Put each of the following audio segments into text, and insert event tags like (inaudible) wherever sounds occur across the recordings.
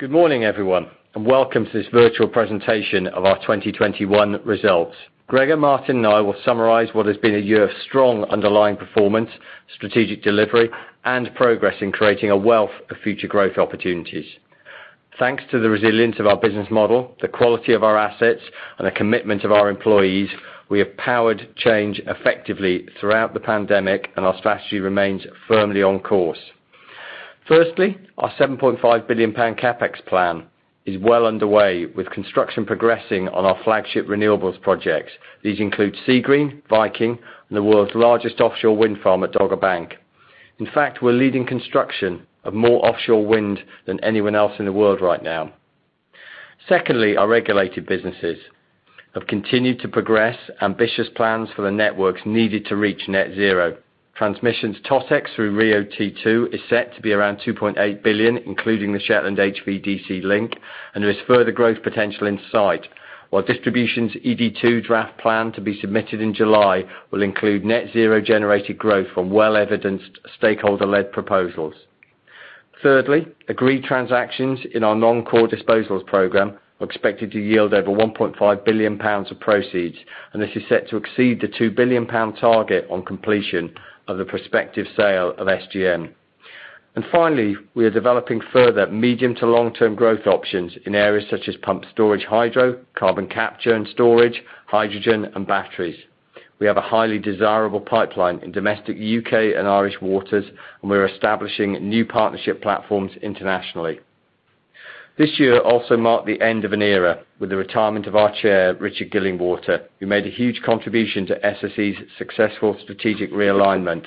Good morning, everyone, and welcome to this virtual presentation of our 2021 results. Gregor, Martin, and I will summarize what has been a year of strong underlying performance, strategic delivery, and progress in creating a wealth of future growth opportunities. Thanks to the resilience of our business model, the quality of our assets, and the commitment of our employees, we have powered change effectively throughout the pandemic, and our strategy remains firmly on course. Firstly, our 7.5 billion pound CapEx plan is well underway, with construction progressing on our flagship renewables projects. These include Seagreen, Viking, and the world's largest offshore wind farm at Dogger Bank. In fact, we're leading construction of more offshore wind than anyone else in the world right now. Secondly, our regulated businesses have continued to progress ambitious plans for the networks needed to reach net zero. Transmission's TotEx through RIIO-T2 is set to be around 2.8 billion, including the Shetland HVDC link, and there's further growth potential in sight. While Distribution's ED2 draft plan to be submitted in July will include net zero-generated growth from well-evidenced stakeholder-led proposals. Thirdly, agreed transactions in our non-core disposals program are expected to yield over 1.5 billion pounds of proceeds, and this is set to exceed the 2 billion pound target on completion of the prospective sale of SGN. Finally, we are developing further medium to long-term growth options in areas such as pumped hydro storage, carbon capture and storage, hydrogen, and batteries. We have a highly desirable pipeline in domestic U.K. and Irish waters, and we are establishing new partnership platforms internationally. This year also marked the end of an era with the retirement of our chair, Richard Gillingwater, who made a huge contribution to SSE's successful strategic realignment.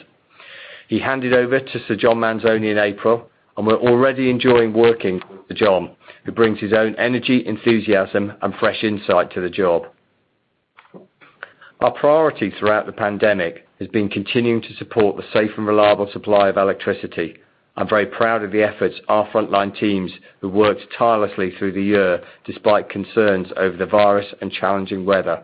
He handed over to Sir John Manzoni in April, and we're already enjoying working with John, who brings his own energy, enthusiasm, and fresh insight to the job. Our priority throughout the pandemic has been continuing to support the safe and reliable supply of electricity. I'm very proud of the efforts of our frontline teams, who worked tirelessly through the year despite concerns over the virus and challenging weather.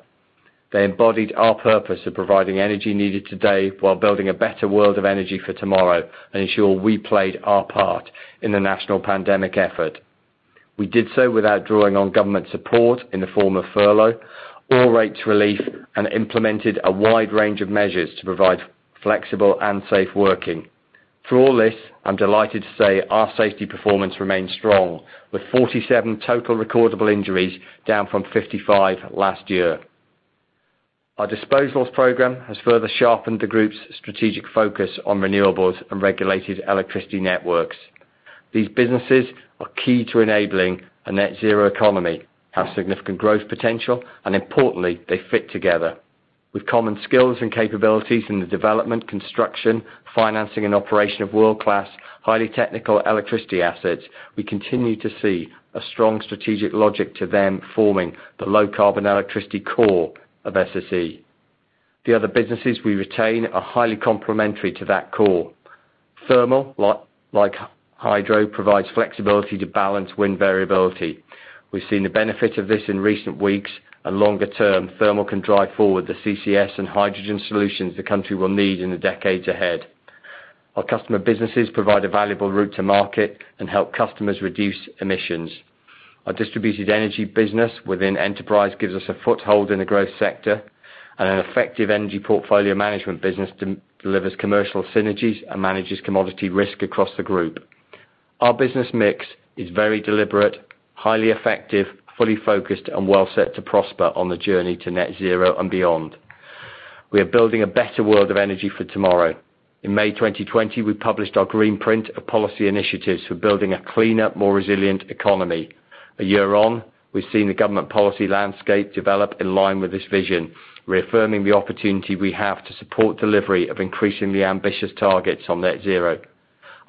They embodied our purpose of providing energy needed today while building a better world of energy for tomorrow and ensure we played our part in the national pandemic effort. We did so without drawing on government support in the form of furlough or rates relief, and implemented a wide range of measures to provide flexible and safe working. Through all this, I'm delighted to say our safety performance remains strong, with 47 total recordable injuries down from 55 last year. Our disposals program has further sharpened the group's strategic focus on renewables and regulated electricity networks. These businesses are key to enabling a net zero economy, have significant growth potential, and importantly, they fit together. With common skills and capabilities in the development, construction, financing, and operation of world-class, highly technical electricity assets, we continue to see a strong strategic logic to them forming the low-carbon electricity core of SSE. The other businesses we retain are highly complementary to that core. Thermal, like hydro, provides flexibility to balance wind variability. We've seen the benefit of this in recent weeks. Longer term, Thermal can drive forward the carbon capture and storage and hydrogen solutions the country will need in the decades ahead. Our customer businesses provide a valuable route to market and help customers reduce emissions. Our distributed energy business within Enterprise gives us a foothold in a growth sector. An effective energy portfolio management business delivers commercial synergies and manages commodity risk across the group. Our business mix is very deliberate, highly effective, fully focused, well set to prosper on the journey to net zero and beyond. We are building a better world of energy for tomorrow. In May 2020, we published our Greenprint of policy initiatives for building a cleaner, more resilient economy. A year on, we've seen the government policy landscape develop in line with this vision, reaffirming the opportunity we have to support delivery of increasingly ambitious targets on net zero.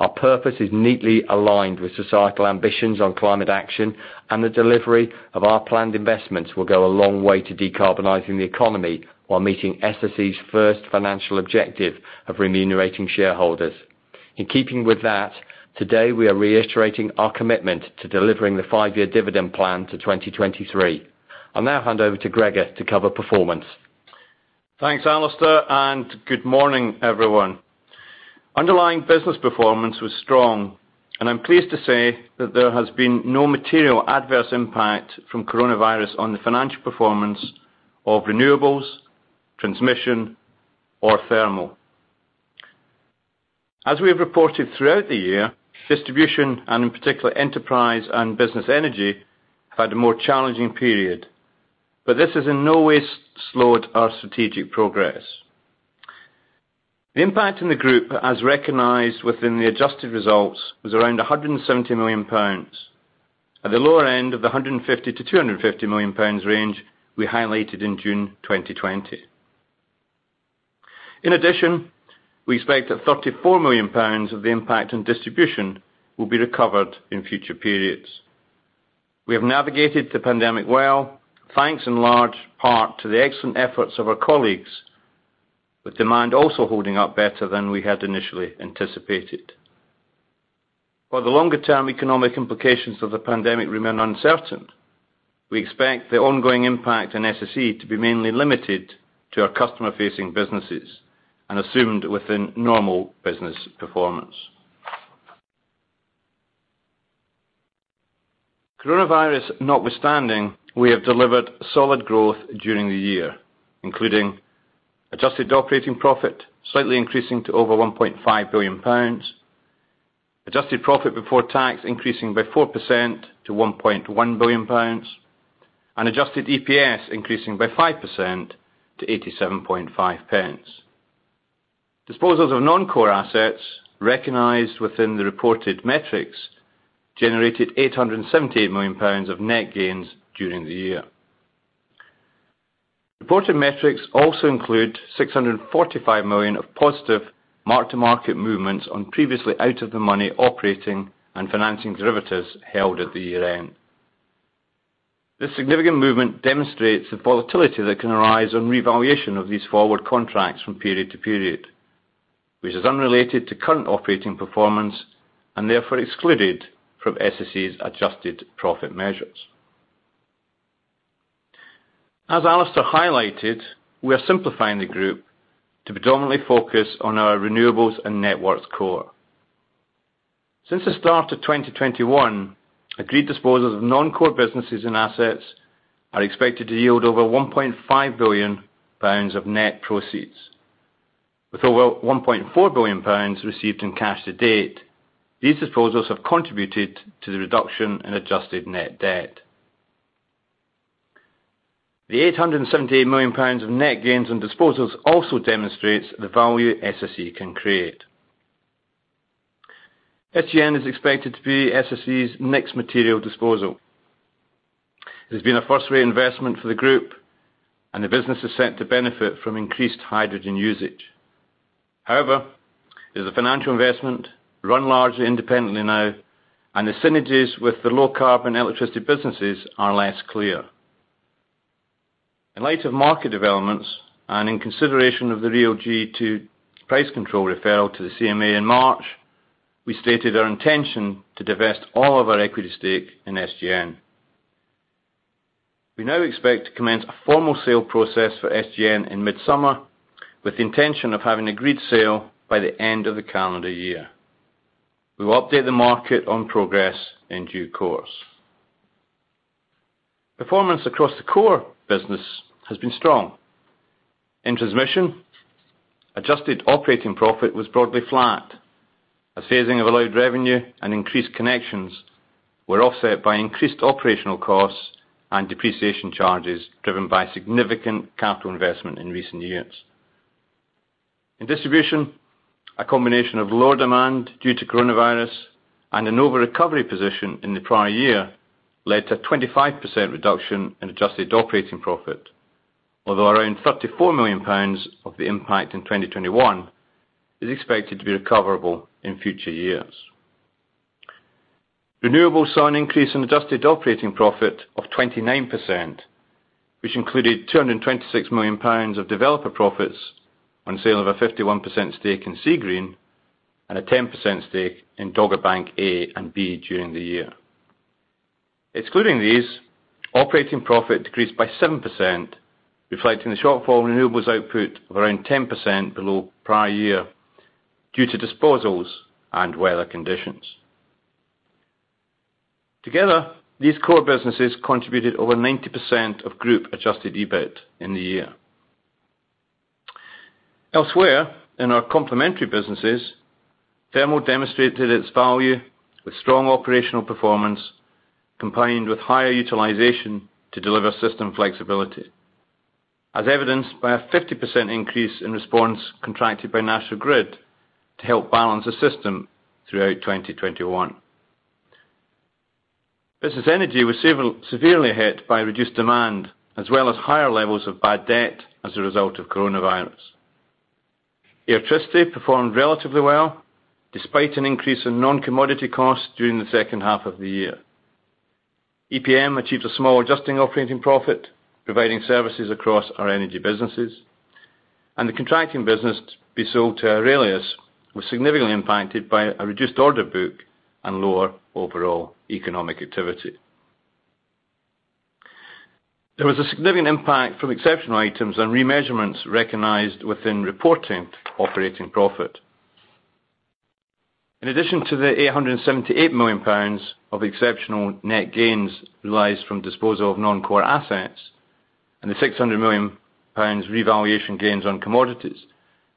Our purpose is neatly aligned with societal ambitions on climate action, and the delivery of our planned investments will go a long way to decarbonizing the economy while meeting SSE's first financial objective of remunerating shareholders. In keeping with that, today, we are reiterating our commitment to delivering the five-year dividend plan to 2023. I'll now hand over to Gregor Alexander to cover performance. Thanks, Alistair, good morning, everyone. Underlying business performance was strong, and I'm pleased to say that there has been no material adverse impact from coronavirus on the financial performance of renewables, transmission, or thermal. As we have reported throughout the year, distribution, and in particular, Enterprise and business energy, had a more challenging period, but this has in no way slowed our strategic progress. The impact on the group, as recognized within the adjusted results, was around 170 million pounds at the lower end of the 150 million-250 million pounds range we highlighted in June 2020. In addition, we expect that 34 million pounds of the impact on distribution will be recovered in future periods. We have navigated the pandemic well, thanks in large part to the excellent efforts of our colleagues, with demand also holding up better than we had initially anticipated. While the longer-term economic implications of the pandemic remain uncertain. We expect the ongoing impact on SSE to be mainly limited to our customer-facing businesses and assumed within normal business performance. Coronavirus notwithstanding, we have delivered solid growth during the year, including adjusted operating profit slightly increasing to over GBP 1.5 billion, adjusted profit before tax increasing by 4% to GBP 1.1 billion, and adjusted EPS increasing by 5% to 0.875. Disposals of non-core assets recognized within the reported metrics generated 878 million pounds of net gains during the year. Reported metrics also include 645 million of positive mark-to-market movements on previously out of the money operating and financing derivatives held at the year-end. This significant movement demonstrates the volatility that can arise on revaluation of these forward contracts from period to period, which is unrelated to current operating performance, and therefore excluded from SSE's adjusted profit measures. As Alistair highlighted, we are simplifying the group to predominantly focus on our renewables and networks core. Since the start of 2021, agreed disposals of non-core businesses and assets are expected to yield over 1.5 billion pounds of net proceeds. With over 1.4 billion pounds received in cash to date, these disposals have contributed to the reduction in adjusted net debt. The 878 million pounds of net gains on disposals also demonstrates the value SSE can create. SGN is expected to be SSE's next material disposal. It has been a first-rate investment for the group, and the business is set to benefit from increased hydrogen usage. However, it is a financial investment run largely independently now, and the synergies with the low carbon electricity businesses are less clear. In light of market developments, and in consideration of the RIIO-T2 price control referral to the Competition and Markets Authority in March, we stated our intention to divest all of our equity stake in Scotia Gas Networks. We now expect to commence a formal sale process for SGN in midsummer, with the intention of having agreed sale by the end of the calendar year. We will update the market on progress in due course. Performance across the core business has been strong. In transmission, adjusted operating profit was broadly flat, as phasing of allowed revenue and increased connections were offset by increased operational costs and depreciation charges driven by significant capital investment in recent years. In distribution, a combination of lower demand due to coronavirus and an over-recovery position in the prior year led to a 25% reduction in adjusted operating profit. Around 34 million pounds of the impact in 2021 is expected to be recoverable in future years. Renewables saw an increase in adjusted operating profit of 29%, which included 226 million pounds of developer profits on sale of a 51% stake in Seagreen and a 10% stake in Dogger Bank A and B during the year. Excluding these, operating profit decreased by 7%, reflecting the shortfall renewables output of around 10% below prior year due to disposals and weather conditions. Together, these core businesses contributed over 90% of group adjusted EBIT in the year. Elsewhere, in our complementary businesses, Thermal demonstrated its value with strong operational performance combined with higher utilization to deliver system flexibility, as evidenced by a 50% increase in response contracted by National Grid to help balance the system throughout 2021. Business Energy was severely hit by reduced demand as well as higher levels of bad debt as a result of coronavirus. Electricity performed relatively well, despite an increase in non-commodity costs during the second half of the year. Energy Portfolio Management achieved a small adjusting operating profit, providing services across our energy businesses, and the contracting business to be sold to Aurelius was significantly impacted by a reduced order book and lower overall economic activity. There was a significant impact from exceptional items and remeasurements recognized within reported operating profit. In addition to the 878 million pounds of exceptional net gains realized from disposal of non-core assets and the 600 million pounds revaluation gains on commodities,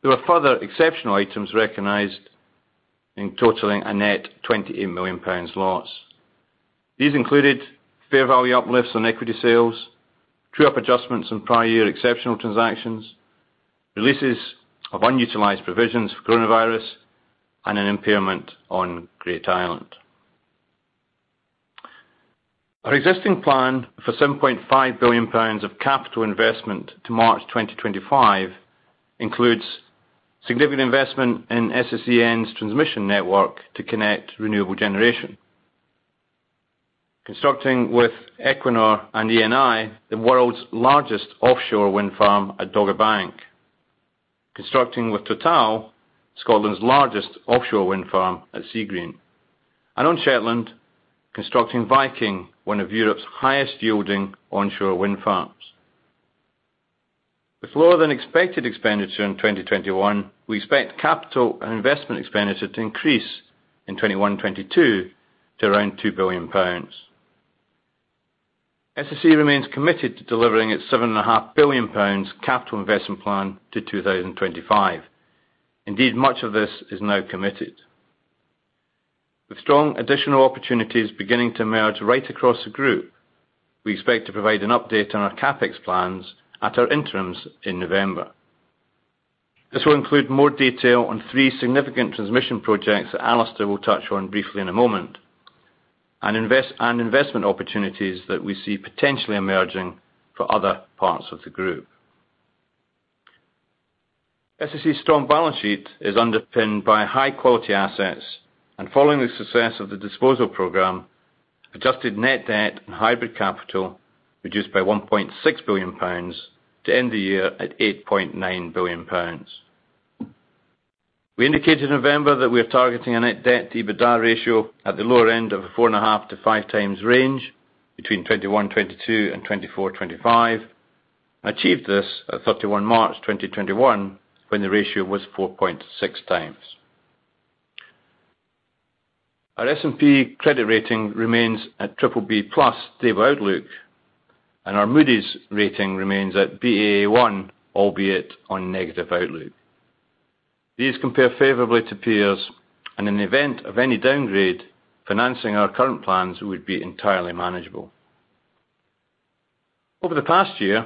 there were further exceptional items recognized in totaling a net 28 million pounds loss. These included fair value uplifts on equity sales, true-up adjustments on prior year exceptional transactions, releases of unutilized provisions for coronavirus, and an impairment on Great Island. Our existing plan for 7.5 billion pounds of capital investment to March 2025 includes significant investment in SSEN's transmission network to connect renewable generation. Constructing with Equinor and Eni, the world's largest offshore wind farm at Dogger Bank, constructing with Total, Scotland's largest offshore wind farm at Seagreen, and on Shetland, constructing Viking, one of Europe's highest-yielding onshore wind farms. With lower-than-expected expenditure in 2021, we expect capital and investment expenditure to increase in 2021, 2022 to around 2 billion pounds. SSE remains committed to delivering its 7.5 billion pounds capital investment plan to 2025. Indeed, much of this is now committed. With strong additional opportunities beginning to emerge right across the Group, we expect to provide an update on our CapEx plans at our interims in November. This will include more detail on three significant transmission projects that Alistair will touch on briefly in a moment, and investment opportunities that we see potentially emerging for other parts of the Group. SSE's strong balance sheet is underpinned by high-quality assets, and following the success of the disposal program, adjusted net debt and hybrid capital reduced by 1.6 billion pounds to end the year at 8.9 billion pounds. We indicated in November that we are targeting a Net Debt to EBITDA ratio at the lower end of a 4.5x-5x range between 2021, 2022 and 2024, 2025, and achieved this at 31 March 2021, when the ratio was 4.6x. Our S&P credit rating remains at BBB+ stable outlook, and our Moody's rating remains at Baa1, albeit on negative outlook. In the event of any downgrade, financing our current plans would be entirely manageable. Over the past year,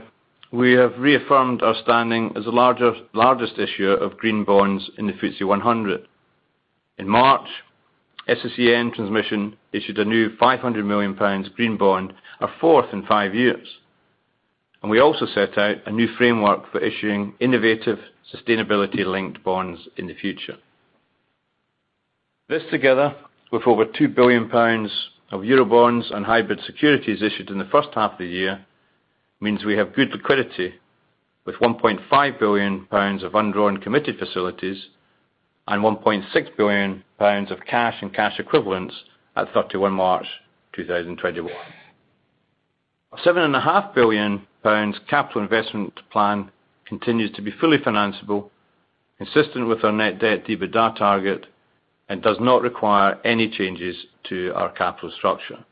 we have reaffirmed our standing as the largest issuer of green bonds in the Financial Times Stock Exchange 100. In March, SSEN Transmission issued a new 500 million pounds green bond, our fourth in five years, and we also set out a new framework for issuing innovative sustainability-linked bonds in the future. This, together with over 2 billion pounds of Eurobonds and hybrid securities issued in the first half of the year, means we have good liquidity with 1.5 billion pounds of undrawn committed facilities and 1.6 billion pounds of cash and cash equivalents at 31 March 2021. Our 7.5 billion capital investment plan continues to be fully financeable, consistent with our Net Debt to EBITDA target, does not require any changes to our capital structure.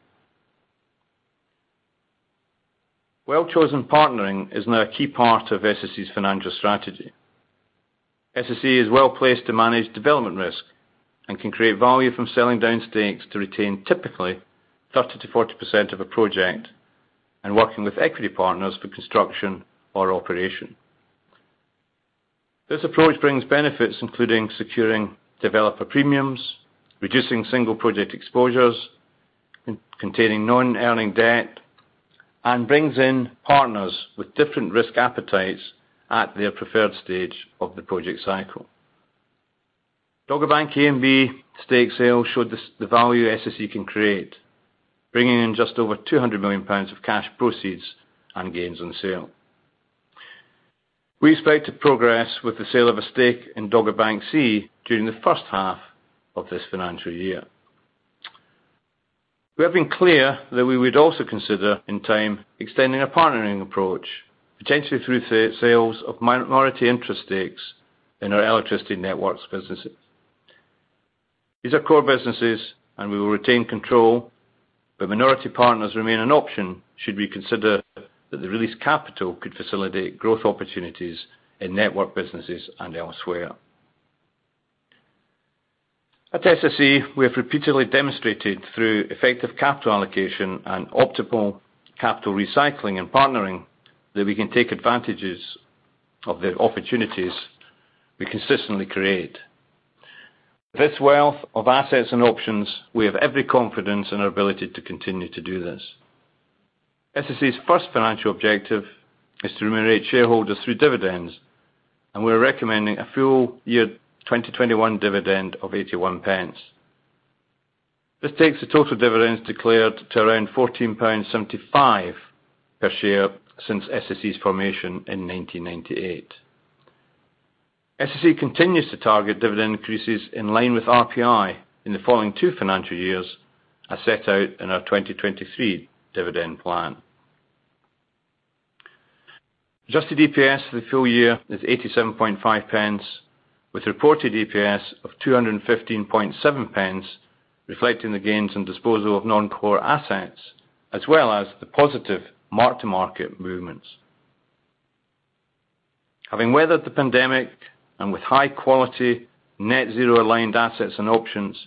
Well-chosen partnering is now a key part of SSE's financial strategy. SSE is well-placed to manage development risk and can create value from selling down stakes to retain typically 30%-40% of a project and working with equity partners for construction or operation. This approach brings benefits, including securing developer premiums, reducing single project exposures, containing non-earning debt, brings in partners with different risk appetites at their preferred stage of the project cycle. Dogger Bank A and B stake sale showed the value SSE can create, bringing in just over 200 million pounds of cash proceeds and gains on sale. We expect to progress with the sale of a stake in Dogger Bank C during the first half of this financial year. We have been clear that we would also consider, in time, extending a partnering approach, potentially through sales of minority interest stakes in our electricity networks businesses. These are core businesses, and we will retain control, but minority partners remain an option should we consider that the released capital could facilitate growth opportunities in network businesses and elsewhere. At SSE, we have repeatedly demonstrated, through effective capital allocation and optimal capital recycling and partnering, that we can take advantages of the opportunities we consistently create. With this wealth of assets and options, we have every confidence in our ability to continue to do this. SSE's first financial objective is to remunerate shareholders through dividends, and we're recommending a full year 2021 dividend of 0.81. This takes the total dividends declared to around 14.75 pounds per share since SSE's formation in 1998. SSE continues to target dividend increases in line with Retail Prices Index in the following two financial years, as set out in our 2023 dividend plan. Adjusted EPS for the full year is 0.875, with reported EPS of 2.157, reflecting the gains and disposal of non-core assets as well as the positive mark-to-market movements. Having weathered the pandemic, and with high-quality, net-zero-aligned assets and options,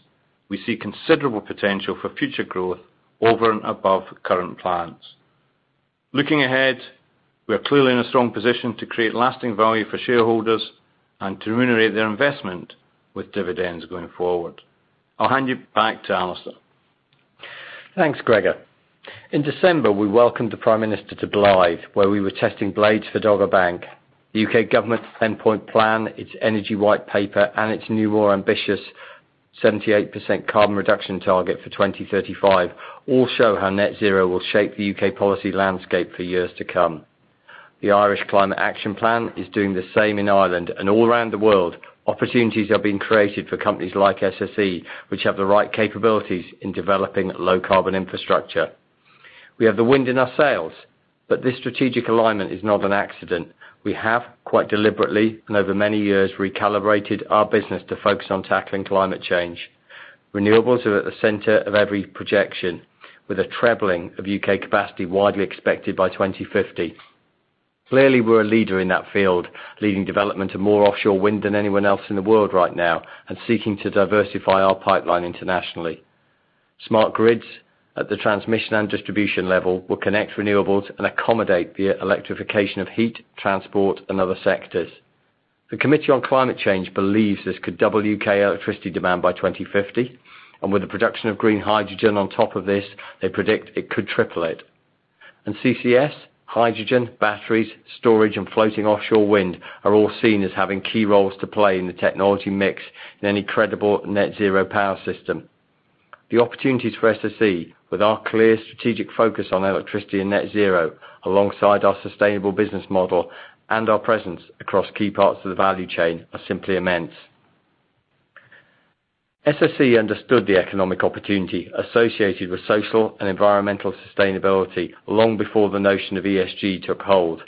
we see considerable potential for future growth over and above current plans. Looking ahead, we are clearly in a strong position to create lasting value for shareholders and to remunerate their investment with dividends going forward. I'll hand you back to Alistair Phillips-Davies. Thanks, Gregor. In December, we welcomed the Prime Minister to Blyth, where we were testing blades for Dogger Bank. The U.K. government's 10-point plan, its energy white paper, and its new, more ambitious 78% carbon reduction target for 2035 all show how net zero will shape the U.K. policy landscape for years to come. The Irish Climate Action Plan is doing the same in Ireland. All around the world, opportunities are being created for companies like SSE, which have the right capabilities in developing low-carbon infrastructure. We have the wind in our sails. This strategic alignment is not an accident. We have, quite deliberately and over many years, recalibrated our business to focus on tackling climate change. Renewables are at the center of every projection, with a trebling of U.K. capacity widely expected by 2050. Clearly, we're a leader in that field, leading development of more offshore wind than anyone else in the world right now and seeking to diversify our pipeline internationally. Smart grids at the transmission and distribution level will connect renewables and accommodate the electrification of heat, transport, and other sectors. The Committee on Climate Change believes this could double U.K. electricity demand by 2050, and with the production of green hydrogen on top of this, they predict it could triple it. CCS, hydrogen, batteries, storage, and floating offshore wind are all seen as having key roles to play in the technology mix in any credible net zero power system. The opportunities for SSE with our clear strategic focus on electricity and net zero, alongside our sustainable business model and our presence across key parts of the value chain, are simply immense. SSE understood the economic opportunity associated with social and environmental sustainability long before the notion of Environmental, Social and Governance took hold.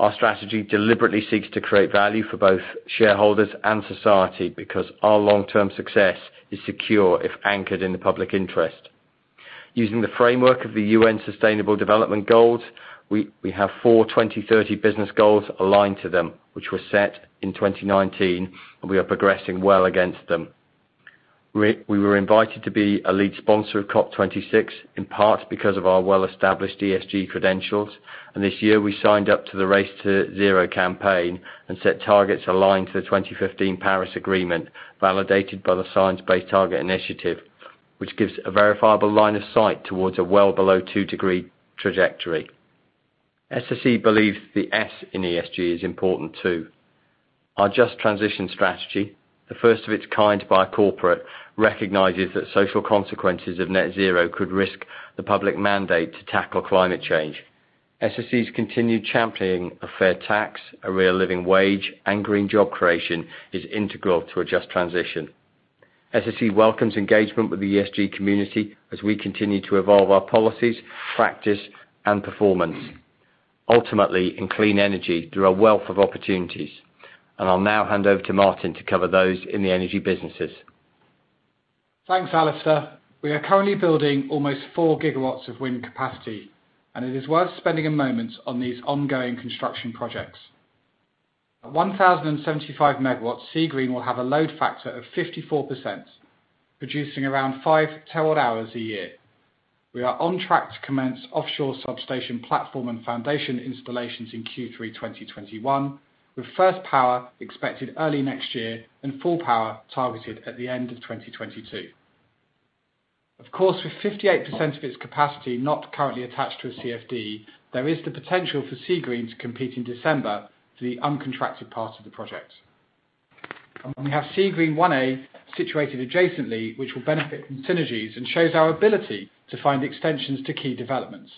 Our strategy deliberately seeks to create value for both shareholders and society because our long-term success is secure if anchored in the public interest. Using the framework of the United Nations Sustainable Development Goals, we have four 2030 business goals aligned to them, which were set in 2019, and we are progressing well against them. We were invited to be a lead sponsor of COP 26, in part because of our well-established ESG credentials, and this year we signed up to the Race to Zero campaign and set targets aligned to the 2015 Paris Agreement, validated by the Science Based Target initiative, which gives a verifiable line of sight towards a well below two degree trajectory. SSE believes the S in ESG is important, too. Our Just Transition Strategy, the first of its kind by a corporate, recognizes that social consequences of net zero could risk the public mandate to tackle climate change. SSE's continued championing of fair tax, a real living wage, and green job creation is integral to a Just Transition. SSE welcomes engagement with the ESG community as we continue to evolve our policies, practice, and performance. Ultimately, in clean energy, there are a wealth of opportunities, and I'll now hand over to Martin Pibworth to cover those in the energy businesses. Thanks, Alistair. We are currently building almost four gigawatts of wind capacity, and it is worth spending a moment on these ongoing construction projects. At 1,075 MW, Seagreen will have a load factor of 54%, producing around 5 TWh a year. We are on track to commence offshore substation platform and foundation installations in Q3 2021, with first power expected early next year and full power targeted at the end of 2022. Of course, with 58% of its capacity not currently attached to a CFD, there is the potential for Seagreen to compete in December for the uncontracted part of the project. We have Seagreen 1A situated adjacently, which will benefit from synergies and shows our ability to find extensions to key developments.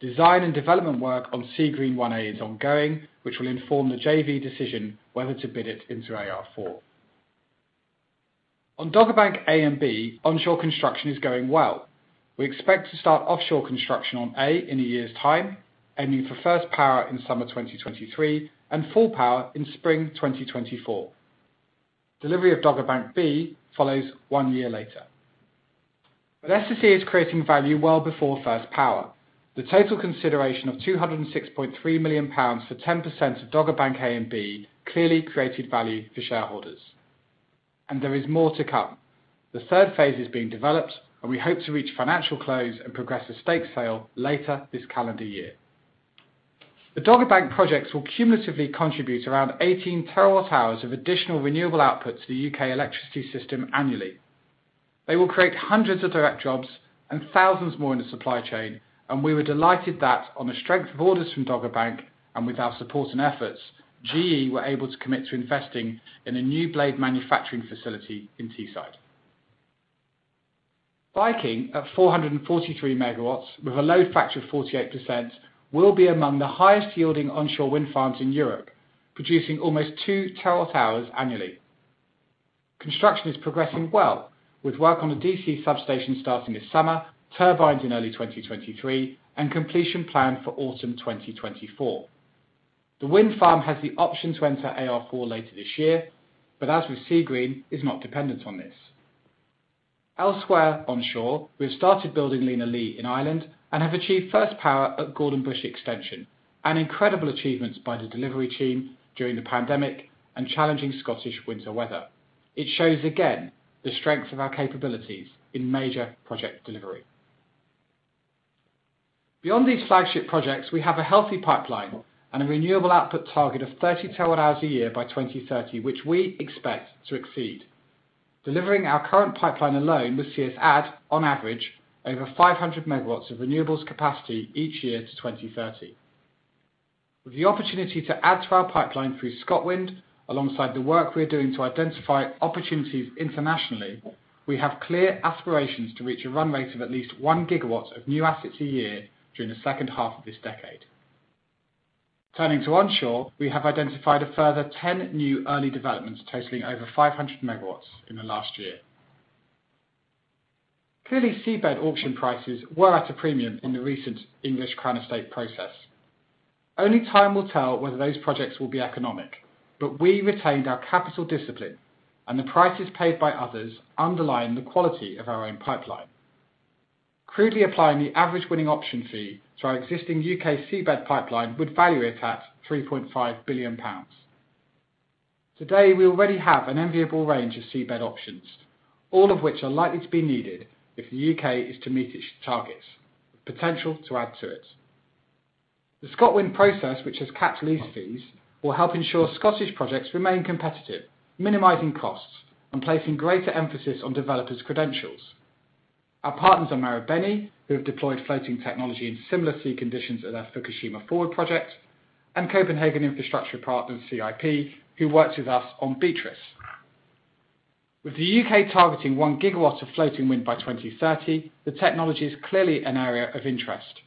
Design and development work on Seagreen 1A is ongoing, which will inform the JV decision whether to bid it into AR4. On Dogger Bank A and B, onshore construction is going well. We expect to start offshore construction on A in one year's time, aiming for first power in summer 2023 and full power in spring 2024. Delivery of Dogger Bank B follows one year later. SSE is creating value well before first power. The total consideration of 206.3 million pounds for 10% of Dogger Bank A and B clearly created value for shareholders. There is more to come. The third phase is being developed, and we hope to reach financial close and progress a stake sale later this calendar year. The Dogger Bank projects will cumulatively contribute around 18 TWh of additional renewable output to the U.K. electricity system annually. They will create hundreds of direct jobs and thousands more in the supply chain, and we were delighted that on the strength of orders from Dogger Bank, and with our support and efforts, General Electric were able to commit to investing in a new blade manufacturing facility in Teesside. Viking, at 443 MW, with a load factor of 48%, will be among the highest yielding onshore wind farms in Europe, producing almost 2 TWh annually. Construction is progressing well, with work on the direct current substation starting this summer, turbines in early 2023, and completion planned for autumn 2024. The wind farm has the option to enter AR4 later this year, but as with Seagreen, is not dependent on this. Elsewhere onshore, we've started building Lenalea in Ireland and have achieved first power at Gordonbush Extension, an incredible achievement by the delivery team during the pandemic and challenging Scottish winter weather. It shows again the strength of our capabilities in major project delivery. Beyond these flagship projects, we have a healthy pipeline and a renewable output target of 30 TWh a year by 2030, which we expect to exceed. Delivering our current pipeline alone is set to add, on average, over 500 MW of renewables capacity each year to 2030. With the opportunity to add to our pipeline through ScotWind, alongside the work we're doing to identify opportunities internationally, we have clear aspirations to reach a run rate of at least one gigawatts of new assets a year during the second half of this decade. Turning to onshore, we have identified a further 10 new early developments totaling over 500 MW in the last year. Seabed auction prices were at a premium in the recent English Crown Estate process. Only time will tell whether those projects will be economic, but we retained our capital discipline, and the prices paid by others underline the quality of our own pipeline. Crudely applying the average winning option fee to our existing U.K. seabed pipeline would value it at 3.5 billion pounds. Today, we already have an enviable range of seabed options, all of which are likely to be needed if the U.K. is to meet its targets, with potential to add to it. The ScotWind process, which has capped lease fees, will help ensure Scottish projects remain competitive, minimizing costs and placing greater emphasis on developers' credentials. Our partners are Marubeni, who have deployed floating technology in similar sea conditions at their Fukushima FORWARD project, and Copenhagen Infrastructure Partners, CIP, who worked with us on Beatrice. With the U.K. targeting one gigawatt of floating wind by 2030, the technology is clearly an area of interest.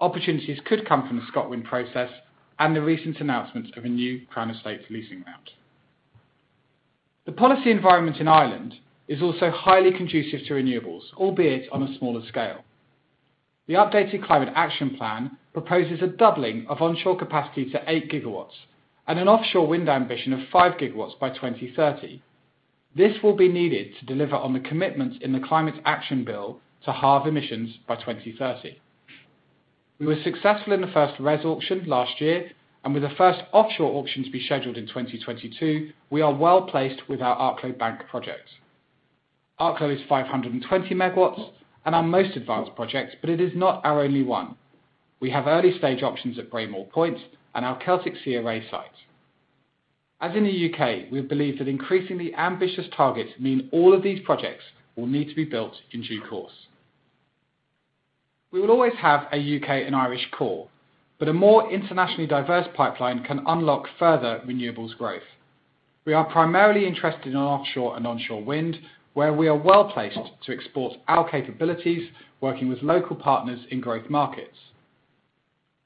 Opportunities could come from the ScotWind process and the recent announcements of a new Crown Estate leasing round. The policy environment in Ireland is also highly conducive to renewables, albeit on a smaller scale. The updated Climate Action Plan proposes a doubling of onshore capacity to eight gigawatts and an offshore wind ambition of five gigawatts by 2030. This will be needed to deliver on the commitments in the Climate Action Bill to halve emissions by 2030. We were successful in the first Renewable Electricity Support Scheme auction last year, and with the first offshore auction to be scheduled in 2022, we are well-placed with our Arklow Bank project. Arklow is 520 MW and our most advanced project, but it is not our only one. We have early-stage options at Braymore Point and our Celtic Sea Array site. As in the U.K., we believe that increasingly ambitious targets mean all of these projects will need to be built in due course. We will always have a U.K. and Irish core, but a more internationally diverse pipeline can unlock further renewables growth. We are primarily interested in offshore and onshore wind, where we are well-placed to export our capabilities, working with local partners in growth markets.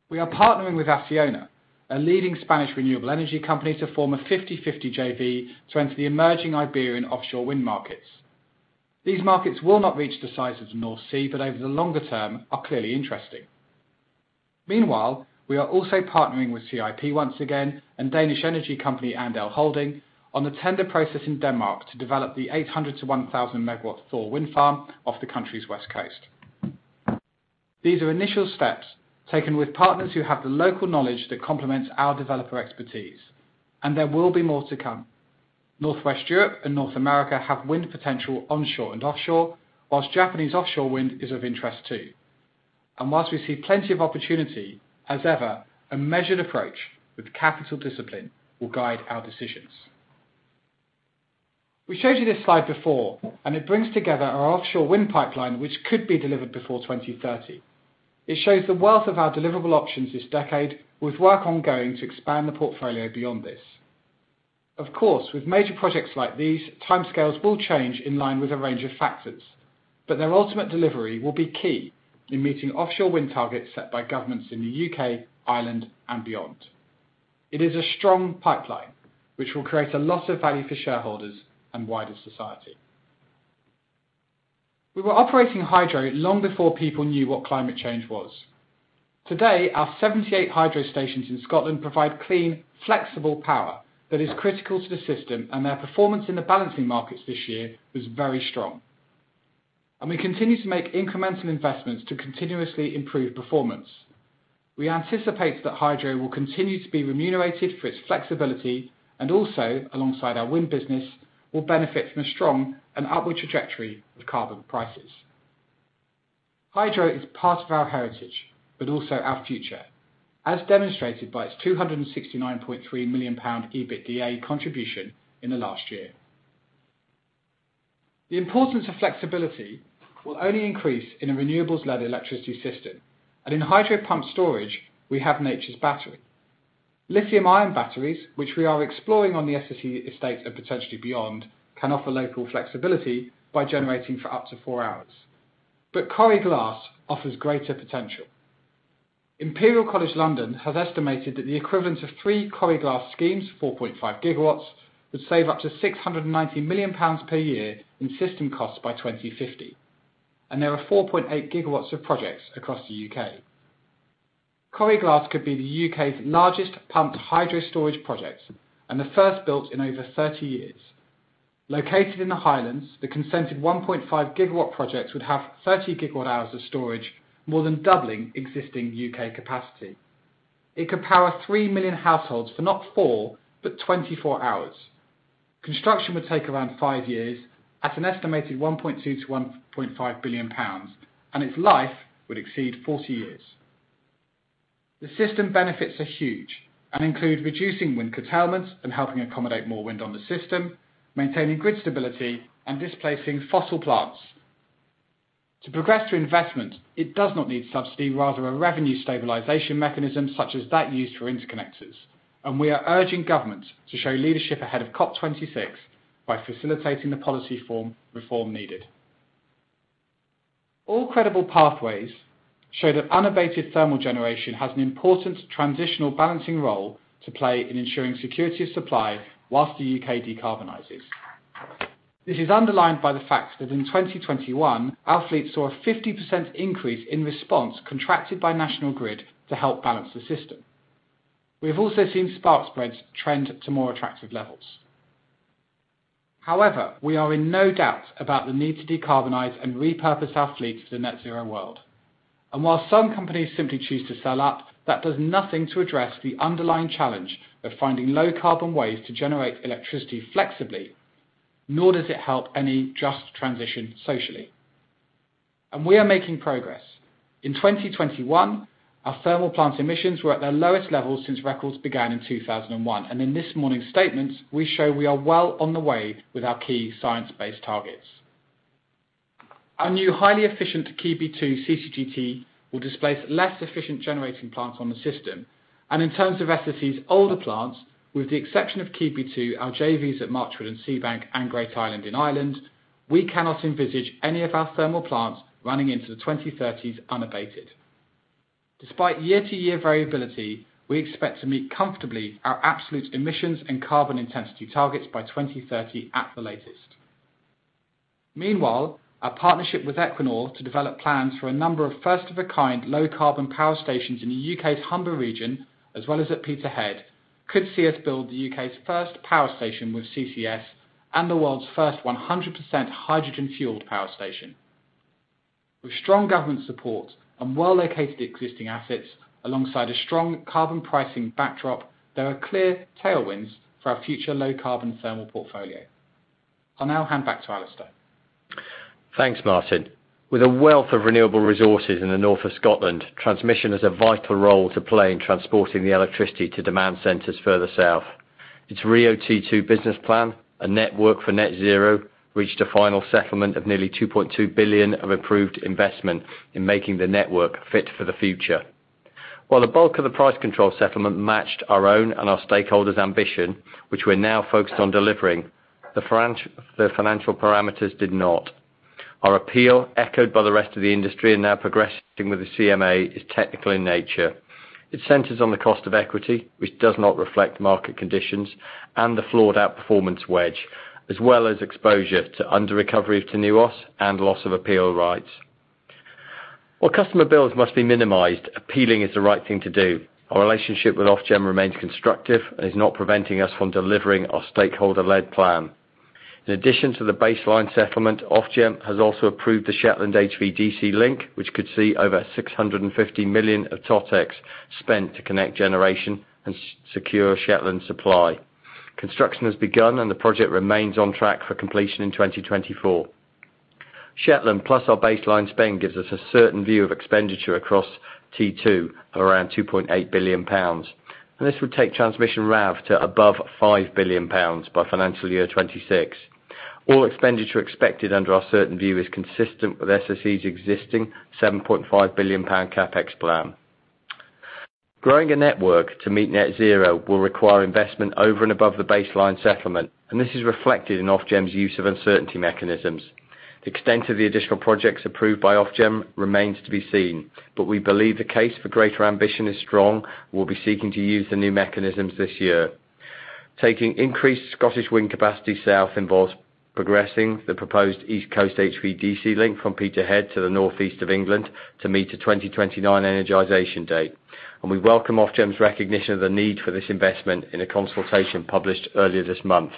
We are partnering with ACCIONA, a leading Spanish renewable energy company, to form a 50/50 JV to enter the emerging Iberian offshore wind markets. These markets will not reach the size of the North Sea, but over the longer term are clearly interesting. Meanwhile, we are also partnering with CIP once again and Danish energy company Andel on the tender process in Denmark to develop the 800 MW- 1,000 MW Thor wind farm off the country's west coast. These are initial steps taken with partners who have the local knowledge that complements our developer expertise, and there will be more to come. Northwest Europe and North America have wind potential onshore and offshore, whilst Japanese offshore wind is of interest, too. Whilst we see plenty of opportunity, as ever, a measured approach with capital discipline will guide our decisions. We showed you this slide before, and it brings together our offshore wind pipeline, which could be delivered before 2030. It shows the wealth of our deliverable options this decade, with work ongoing to expand the portfolio beyond this. Of course, with major projects like these, timescales will change in line with a range of factors, but their ultimate delivery will be key in meeting offshore wind targets set by governments in the U.K., Ireland, and beyond. It is a strong pipeline, which will create a lot of value for shareholders and wider society. We were operating hydro long before people knew what climate change was. Today, our 78 hydro stations in Scotland provide clean, flexible power that is critical to the system, and their performance in the balancing markets this year was very strong, and we continue to make incremental investments to continuously improve performance. We anticipate that hydro will continue to be remunerated for its flexibility and also, alongside our wind business, will benefit from a strong and upward trajectory of carbon prices. Hydro is part of our heritage but also our future, as demonstrated by its 269.3 million pound EBITDA contribution in the last year. The importance of flexibility will only increase in a renewables-led electricity system, and in hydro pump storage, we have nature's battery. Lithium-ion batteries, which we are exploring on the SSE estate and potentially beyond, can offer local flexibility by generating for up to four hours. Coire Glas offers greater potential. Imperial College London has estimated that the equivalent of three Coire Glas schemes, 4.5 GW, would save up to 690 million pounds per year in system costs by 2050, and there are 4.8 GW of projects across the U.K. Coire Glas could be the U.K.'s largest pumped hydro storage project and the first built in over 30 years. Located in the Highlands, the consented 1.5 GW project would have 30 GWh of storage, more than doubling existing U.K. capacity. It could power 3 million households for not four but 24 hours. Construction would take around five years at an estimated 1.2 billion-1.5 billion pounds, its life would exceed 40 years. The system benefits are huge and include reducing wind curtailment and helping accommodate more wind on the system, maintaining grid stability, and displacing fossil plants. To progress through investment, it does not need subsidy, rather a revenue stabilization mechanism such as that used for interconnectors, we are urging government to show leadership ahead of COP 26 by facilitating the policy reform needed. All credible pathways show that unabated thermal generation has an important transitional balancing role to play in ensuring security of supply whilst the U.K. decarbonizes. This is underlined by the fact that in 2021, our fleet saw a 50% increase in response contracted by National Grid to help balance the system. We've also seen spark spreads trend to more attractive levels. However, we are in no doubt about the need to decarbonize and repurpose our fleet to the net zero world. While some companies simply choose to sell up, that does nothing to address the underlying challenge of finding low-carbon ways to generate electricity flexibly, nor does it help any Just Transition socially, and we are making progress. In 2021, our thermal plant emissions were at their lowest level since records began in 2001, and in this morning's statements, we show we are well on the way with our key science-based targets. Our new highly efficient Keadby 2 CCGT will displace less efficient generating plants on the system, and in terms of SSE's older plants, with the exception of Keadby 2, our JVs at Marchwood and Seabank, and Great Island in Ireland, we cannot envisage any of our thermal plants running into the 2030s unabated. Despite year-to-year variability, we expect to meet comfortably our absolute emissions and carbon intensity targets by 2030 at the latest. Meanwhile, our partnership with Equinor to develop plans for a number of first-of-a-kind low-carbon power stations in the U.K.'s Humber region, as well as at Peterhead, could see us build the U.K.'s first power station with CCS and the world's first 100% hydrogen-fueled power station. With strong government support and well-located existing assets alongside a strong carbon pricing backdrop, there are clear tailwinds for our future low-carbon thermal portfolio. I'll now hand back to Alistair. Thanks, Martin. With a wealth of renewable resources in the north of Scotland, transmission has a vital role to play in transporting the electricity to demand centers further south. Its RIIO-T2 business plan, A Network for Net Zero, reached a final settlement of nearly 2.2 billion of approved investment in making the network fit for the future. While the bulk of the price control settlement matched our own and our stakeholders' ambition, which we're now focused on delivering, the financial parameters did not. Our appeal, echoed by the rest of the industry now progressing with the CMA, is technical in nature. It centers on the cost of equity, which does not reflect market conditions, and the flawed outperformance wedge, as well as exposure to under-recovery of tenures and loss of appeal rights. While customer bills must be minimized, appealing is the right thing to do. Our relationship with Ofgem remains constructive and is not preventing us from delivering our stakeholder-led plan. In addition to the baseline settlement, Ofgem has also approved the Shetland HVDC link, which could see over 650 million of TotEx spent to connect generation and secure Shetland supply. Construction has begun, the project remains on track for completion in 2024. Shetland plus our baseline spend gives us a certain view of expenditure across T2 at around 2.8 billion pounds, and this would take transmission RAV to above 5 billion pounds by financial year 2026. All expenditure expected under our certain view is consistent with SSE's existing 7.5 billion pound CapEx plan. Growing a network to meet Net Zero will require investment over and above the baseline settlement, and this is reflected in Ofgem's use of uncertainty mechanisms. The extent of the additional projects approved by Ofgem remains to be seen, but we believe the case for greater ambition is strong. We'll be seeking to use the new mechanisms this year. Taking increased Scottish wind capacity south involves progressing the proposed East Coast HVDC link from Peterhead to the northeast of England to meet a 2029 energization date, and we welcome Ofgem's recognition of the need for this investment in a consultation published earlier this month.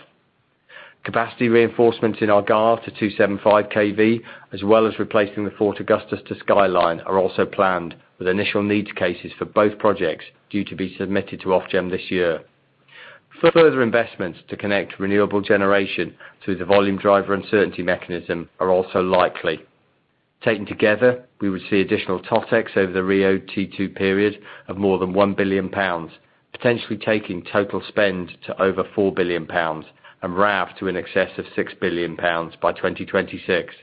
Capacity reinforcements in Argyll to 275 kV, as well as replacing the Fort Augustus to Skye line are also planned, with initial needs cases for both projects due to be submitted to Ofgem this year. Further investments to connect renewable generation through the volume driver uncertainty mechanism are also likely. Taken together, we would see additional TotEx over the RIIO-T2 period of more than 1 billion pounds, potentially taking total spend to over 4 billion pounds and regulated assessment value to in excess of 6 billion pounds by 2026.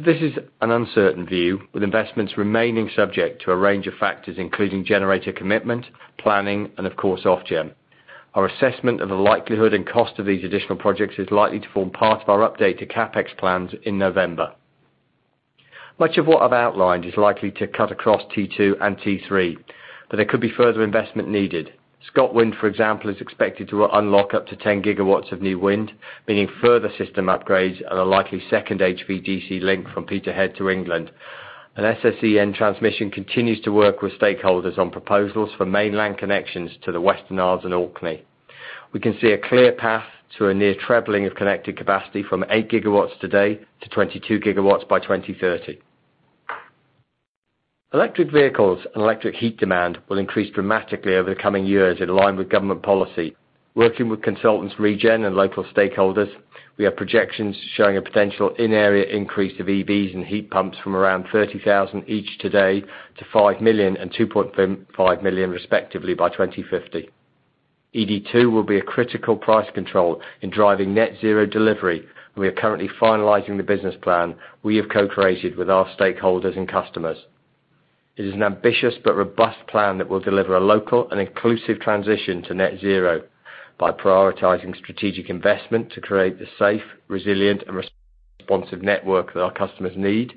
This is an uncertain view, with investments remaining subject to a range of factors, including generator commitment, planning, and of course, Ofgem. Our assessment of the likelihood and cost of these additional projects is likely to form part of our update to CapEx plans in November. Much of what I've outlined is likely to cut across T2 and T3, but there could be further investment needed. ScotWind, for example, is expected to unlock up to 10 GW of new wind, meaning further system upgrades and a likely second HVDC link from Peterhead to England, and SSEN Transmission continues to work with stakeholders on proposals for mainland connections to the Western Isles and Orkney. We can see a clear path to a near trebling of connected capacity from 8 GW today to 22 GW by 2030. Electric vehicles and electric heat demand will increase dramatically over the coming years in line with government policy. Working with consultants Regen and local stakeholders, we have projections showing a potential in-area increase of electric vehicles and heat pumps from around 30,000 each today to 5 million and 2.5 million respectively by 2050. ED2 will be a critical price control in driving net zero delivery. We are currently finalizing the business plan we have co-created with our stakeholders and customers. It is an ambitious but robust plan that will deliver a local and inclusive transition to net zero by prioritizing strategic investment to create the safe, resilient, and responsive network that our customers need,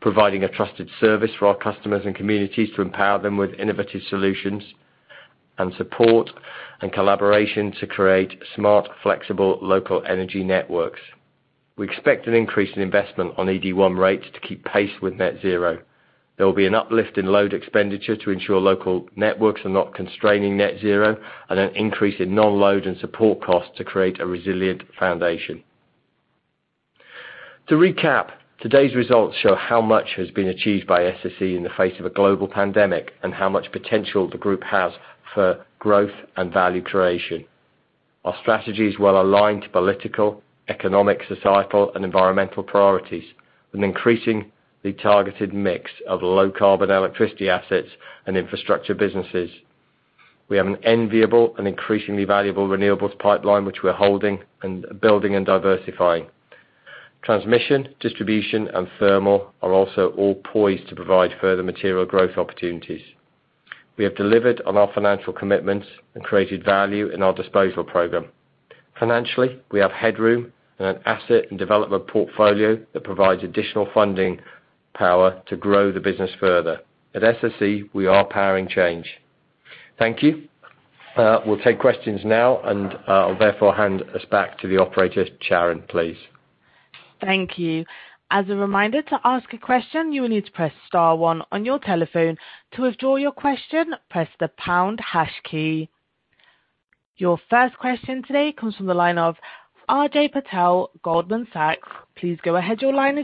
providing a trusted service for our customers and communities to empower them with innovative solutions, and support and collaboration to create smart, flexible, local energy networks. We expect an increase in investment on ED1 rates to keep pace with net zero. There will be an uplift in load expenditure to ensure local networks are not constraining net zero, and an increase in non-load and support costs to create a resilient foundation. To recap, today's results show how much has been achieved by SSE in the face of a global pandemic, and how much potential the group has for growth and value creation. Our strategy is well-aligned to political, economic, societal, and environmental priorities, and increasing the targeted mix of low-carbon electricity assets and infrastructure businesses. We have an enviable and increasingly valuable renewables pipeline, which we're holding and building and diversifying. Transmission, distribution, and thermal are also all poised to provide further material growth opportunities. We have delivered on our financial commitments and created value in our disposal program. Financially, we have headroom and an asset and development portfolio that provides additional funding power to grow the business further. At SSE, we are powering change. Thank you. We'll take questions now, and I'll therefore hand us back to the operator. Sharon, please. Thank you. As a reminder, to ask a question, you will need to press star one on your telephone. To withdraw your question, press the pound hash key. Your first question today comes from the line of Ajay Patel, Goldman Sachs. Please go ahead. Your line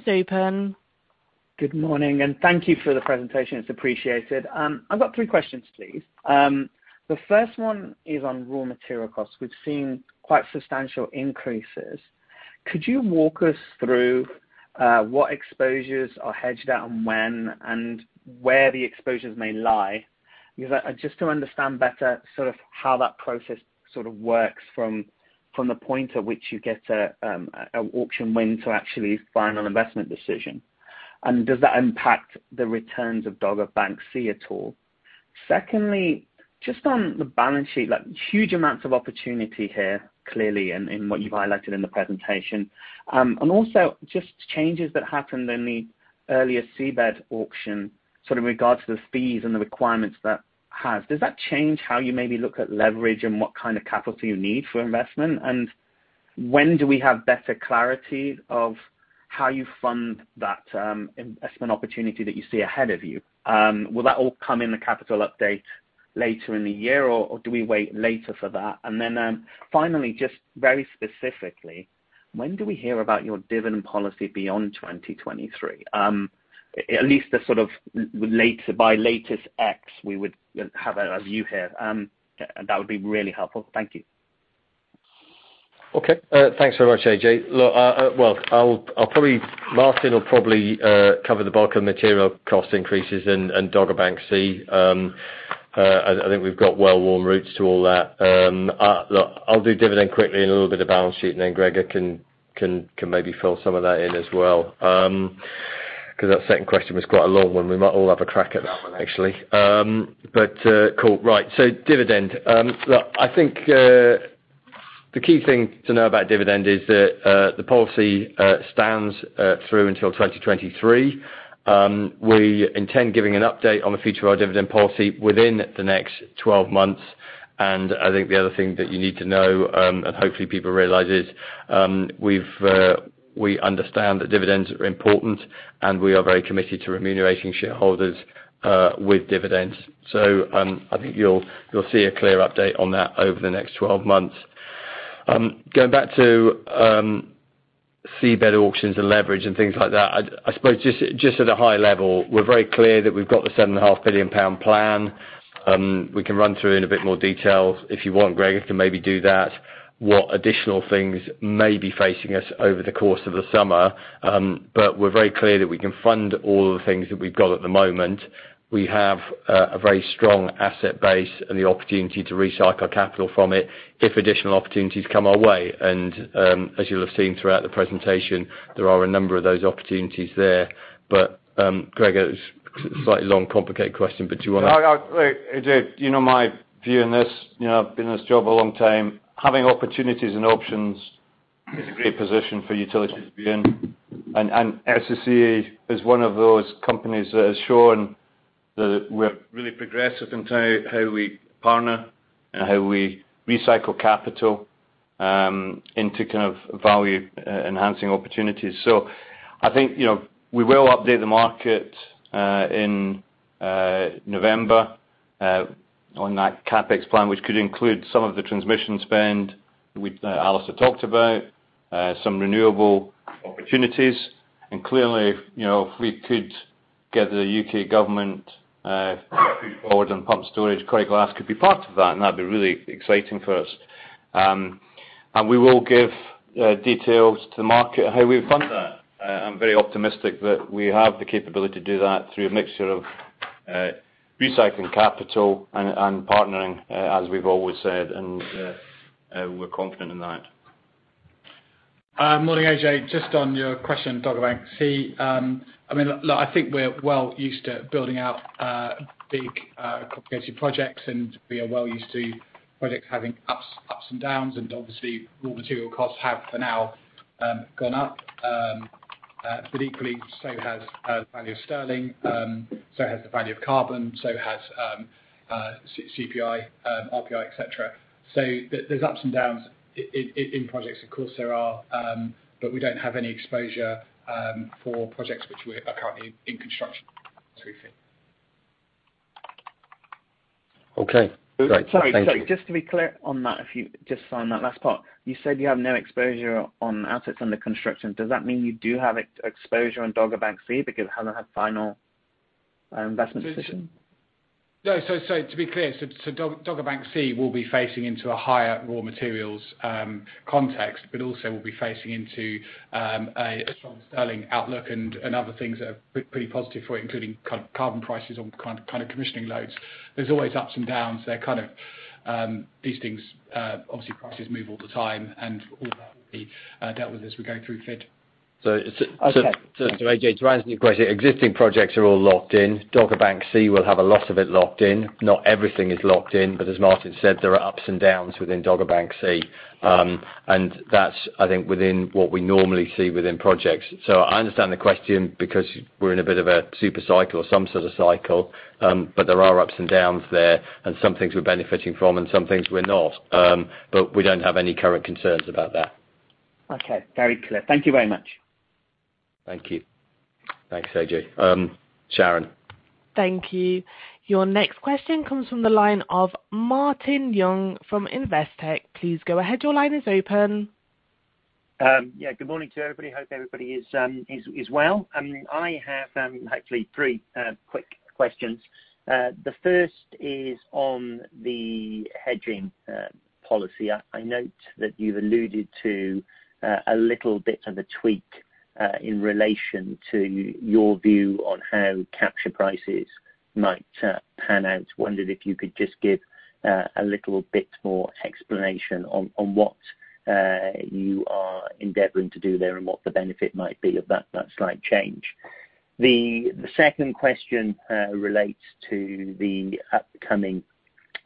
is open. Good morning, and thank you for the presentation. It's appreciated. I've got three questions, please. The first one is on raw material costs. We've seen quite substantial increases. Could you walk us through what exposures are hedged at and when, and where the exposures may lie? Just to understand better how that process works from the point at which you get an auction win to actually final investment decision. Does that impact the returns of Dogger Bank C at all? Secondly, just on the balance sheet, huge amounts of opportunity here, clearly, in what you've highlighted in the presentation. Also, just changes that happened in the earlier seabed auction, in regards to the fees and the requirements that has. Does that change how you maybe look at leverage and what kind of capital you need for investment? When do we have better clarity of how you fund that investment opportunity that you see ahead of you? Will that all come in the capital update later in the year, or do we wait later for that? Finally, just very specifically, when do we hear about your dividend policy beyond 2023? At least by [audio ditortion], we would have a view here, and that would be really helpful. Thank you. Okay. Thanks very much, Ajay. Martin will probably cover the bulk of material cost increases and Dogger Bank C. I think we've got well-worn routes to all that. Look, I'll do dividend quickly and a little bit of balance sheet, and then Gregor can maybe fill some of that in as well. Because that second question was quite a long one. We might all have a crack at that one, actually. Cool. Right. Dividend. Look, I think the key thing to know about dividend is that the policy stands through until 2023. We intend giving an update on the future of our dividend policy within the next 12 months. I think the other thing that you need to know, and hopefully people realize is, we understand that dividends are important, and we are very committed to remunerating shareholders with dividends. I think you'll see a clear update on that over the next 12 months. Going back to seabed auctions and leverage and things like that, I suppose just at a high level, we're very clear that we've got the 7.5 billion pound plan. We can run through in a bit more detail. If you want, Gregor can maybe do that, what additional things may be facing us over the course of the summer. We're very clear that we can fund all the things that we've got at the moment. We have a very strong asset base and the opportunity to recycle capital from it if additional opportunities come our way. As you'll have seen throughout the presentation, there are a number of those opportunities there. Gregor, slightly long, complicated question, but do you want to. No. Ajay, you know my view on this. I've been in this job a long time. Having opportunities and options is a great position for utilities to be in. SSE is one of those companies that has shown that we're really progressive in how we partner and how we recycle capital into value-enhancing opportunities. I think, we will update the market in November on that CapEx plan, which could include some of the transmission spend, which Alistair talked about, some renewable opportunities. Clearly, if we could get the U.K. government forward on pump storage, Coire Glas could be part of that, and that'd be really exciting for us. We will give details to market how we would fund that. I'm very optimistic that we have the capability to do that through a mixture of recycling capital and partnering, as we've always said, and we're confident in that. Morning, Ajay. Just on your question on Dogger Bank C. I think we're well used to building out big complicated projects, and we are well used to projects having ups and downs, and obviously, raw material costs have for now gone up. Equally, so has the value of sterling, so has the value of carbon, so has Consumer Prices Index, Retail Prices Index, et cetera. There's ups and downs in projects, of course there are, but we don't have any exposure for projects which we're currently in construction. Okay. Great. Thank you. Sorry. Just to be clear on that, just on that last part. You said you have no exposure on assets under construction. Does that mean you do have exposure on Dogger Bank C because it hasn't had final investment decision? To be clear, Dogger Bank C will be facing into a higher raw materials context, but also will be facing into a strong Sterling outlook and other things that are pretty positive for including carbon prices or commissioning loads. There's always ups and downs. These things, obviously, prices move all the time, and all that will be dealt with as we go through it. To answer your question, existing projects are all locked in. Dogger Bank C will have a lot of it locked in. Not everything is locked in, but as Martin said, there are ups and downs within Dogger Bank C. That's, I think, within what we normally see within projects. I understand the question because we're in a bit of a super cycle or some sort of cycle. There are ups and downs there, and some things we're benefiting from and some things we're not. We don't have any current concerns about that. Okay. Very clear. Thank you very much. Thank you. Thanks, Ajay. Sharon. Thank you. Your next question comes from the line of Martin Young from Investec. Please go ahead. Your line is open. Yeah, good morning to everybody. Hope everybody is well. I have actually three quick questions. The first is on the hedging policy. I note that you've alluded to a little bit of a tweak in relation to your view on how capture prices might turn out. I wondered if you could just give a little bit more explanation on what you are endeavoring to do there and what the benefit might be of that slight change. The second question relates to the upcoming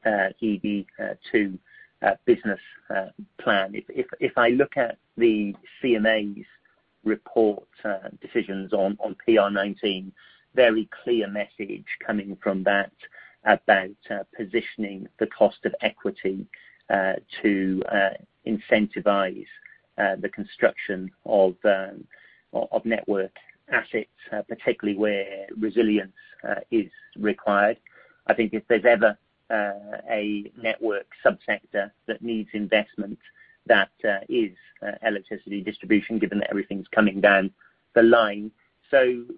ED2 business plan. If I look at the CMA's report decisions on PR19, very clear message coming from that about positioning the cost of equity to incentivize the construction of network assets, particularly where resilience is required. I think if there's ever a network sub-sector that needs investment, that is electricity distribution, given that everything's coming down the line.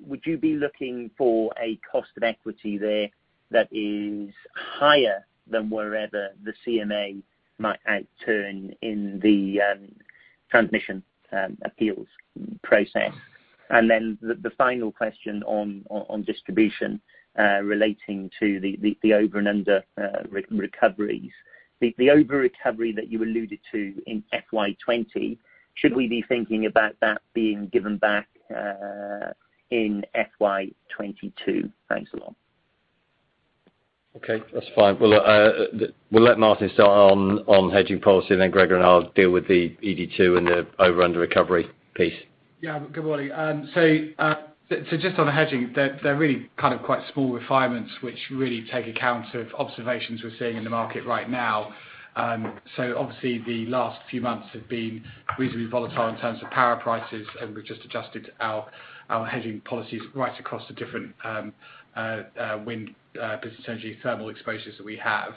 Would you be looking for a cost of equity there that is higher than wherever the CMA might turn in the transition appeals process? Then the final question on distribution relating to the over and under recoveries. The over recovery that you alluded to in FY 2020, should we be thinking about that being given back in FY 2022? Thanks a lot. Okay, that's fine. We'll let Martin start on hedging policy, and then Gregor and I will deal with the ED2 and the over and under recovery piece. Yeah. Good morning. Just on hedging, they're really quite small refinements which really take account of observations we're seeing in the market right now. Obviously, the last few months have been reasonably volatile in terms of power prices, and we've just adjusted our hedging policies right across the different wind potential thermal exposures that we have.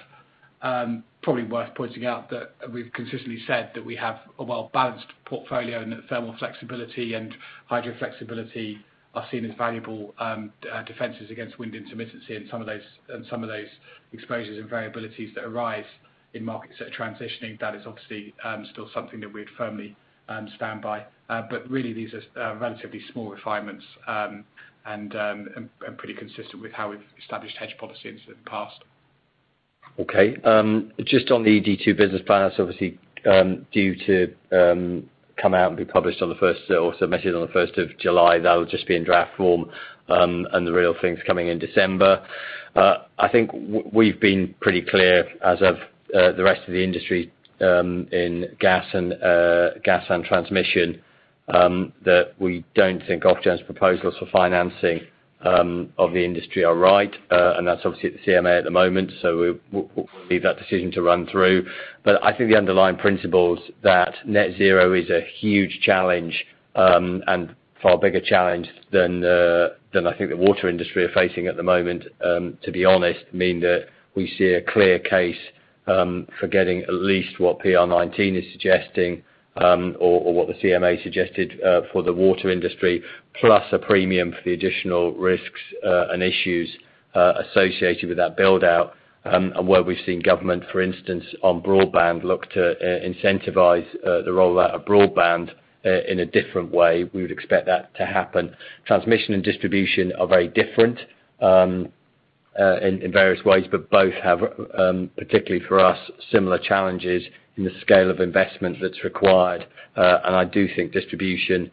Probably worth pointing out that we've consistently said that we have a well-balanced portfolio and that thermal flexibility and hydro flexibility are seen as valuable defenses against wind intermittency and some of those exposures and variabilities that arise in markets that are transitioning. That is obviously still something that we firmly stand by. Really, these are relatively small refinements and pretty consistent with how we've established hedge policies in the past. Just on the ED2 business plans, obviously due to come out and be published on the 1st, or as I mentioned, on the 1st of July. That will just be in draft form, the real thing's coming in December. I think we've been pretty clear, as have the rest of the industry in gas and transmission, that we don't think Ofgem's proposals for financing of the industry are right, that's obviously at the CMA at the moment, so we'll leave that decision to run through. I think the underlying principle is that net zero is a huge challenge and far bigger challenge than I think the water industry are facing at the moment, to be honest, meaning that we see a clear case for getting at least what PR19 is suggesting or what the CMA suggested for the water industry, plus a premium for the additional risks and issues associated with that build-out. Where we've seen government, for instance, on broadband, look to incentivize the rollout of broadband in a different way, we would expect that to happen. Transmission and distribution are very different in various ways, but both have, particularly for us, similar challenges in the scale of investment that's required. I do think distribution,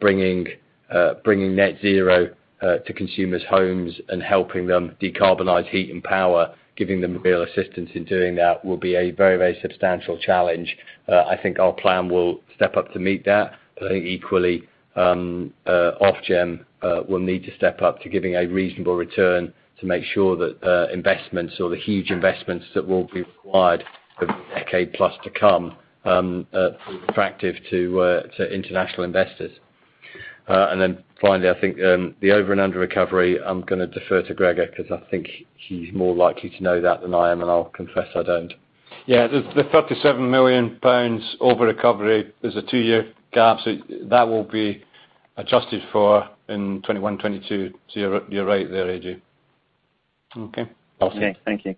bringing net zero to consumers' homes and helping them decarbonize heat and power, giving them real assistance in doing that, will be a very substantial challenge. I think our plan will step up to meet that. I think equally, Ofgem will need to step up to giving a reasonable return to make sure that the huge investments that will be required for the decade-plus to come are attractive to international investors. Then finally, I think, the over and under recovery, I'm going to defer to Gregor, because I think he's more likely to know that than I am. I'll confess I don't. Yeah. The 37 million pounds over recovery, there's a two-year gap, so that will be adjusted for in 2021, 2022. You're right there, Ajay. Okay. Thank you.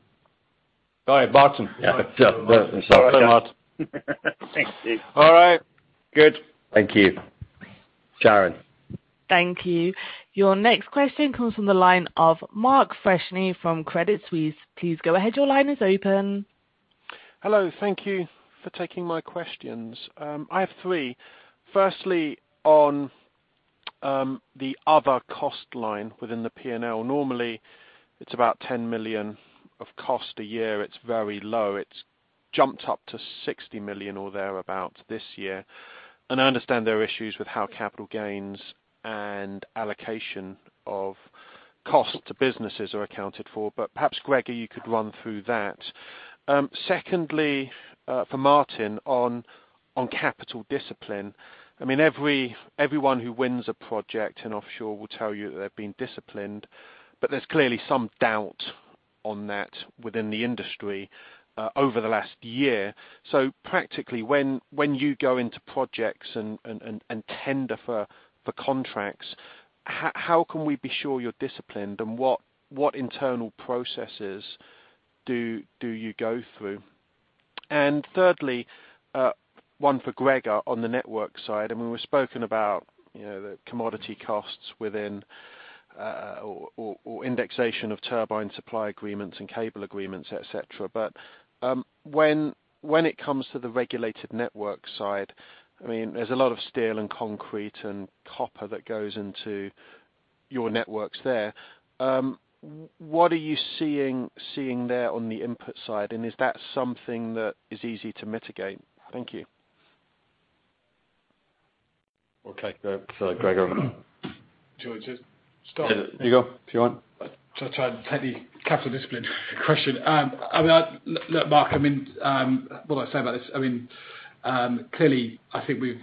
Sorry, Martin. Sorry, Martin. Thank you. All right. Good. Thank you, Sharon. Thank you. Your next question comes from the line of Mark Freshney from Credit Suisse. Please go ahead. Your line is open. Hello. Thank you for taking my questions. I have three. Firstly, on the other cost line within the P&L. Normally, it's about 10 million of cost a year. It's very low. It's jumped up to 60 million or thereabout this year. I understand there are issues with how capital gains and allocation of costs to businesses are accounted for. Perhaps, Gregor, you could run through that. Secondly, for Martin, on capital discipline. Everyone who wins a project in offshore will tell you that they're being disciplined, but there's clearly some doubt on that within the industry over the last year. Practically, when you go into projects and tender for the contracts, how can we be sure you're disciplined, and what internal processes do you go through? Thirdly, one for Gregor on the network side. We've spoken about the commodity costs within or indexation of turbine supply agreements and cable agreements, et cetera. When it comes to the regulated network side, there's a lot of steel and concrete and copper that goes into your networks there. What are you seeing there on the input side, and is that something that is easy to mitigate? Thank you. Okay. Gregor. Do you want to just start? There you go. Do you want? I'll try and take the capital discipline question. Mark, what can I say about this? I think we've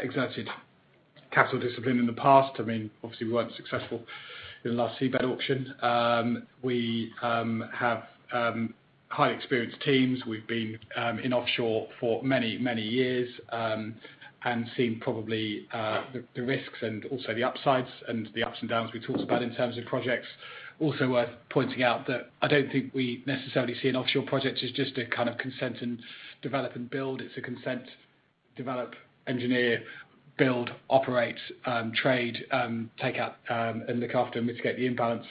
exerted capital discipline in the past. We weren't successful in the last seabed auction. We have highly experienced teams. We've been in offshore for many years and seen probably the risks and also the upsides and the ups and downs we talked about in terms of projects. Worth pointing out that I don't think we necessarily see an offshore project as just a kind of consent and develop and build. It's a consent, develop, engineer, build, operate, trade, take out, and look after, mitigate the imbalance,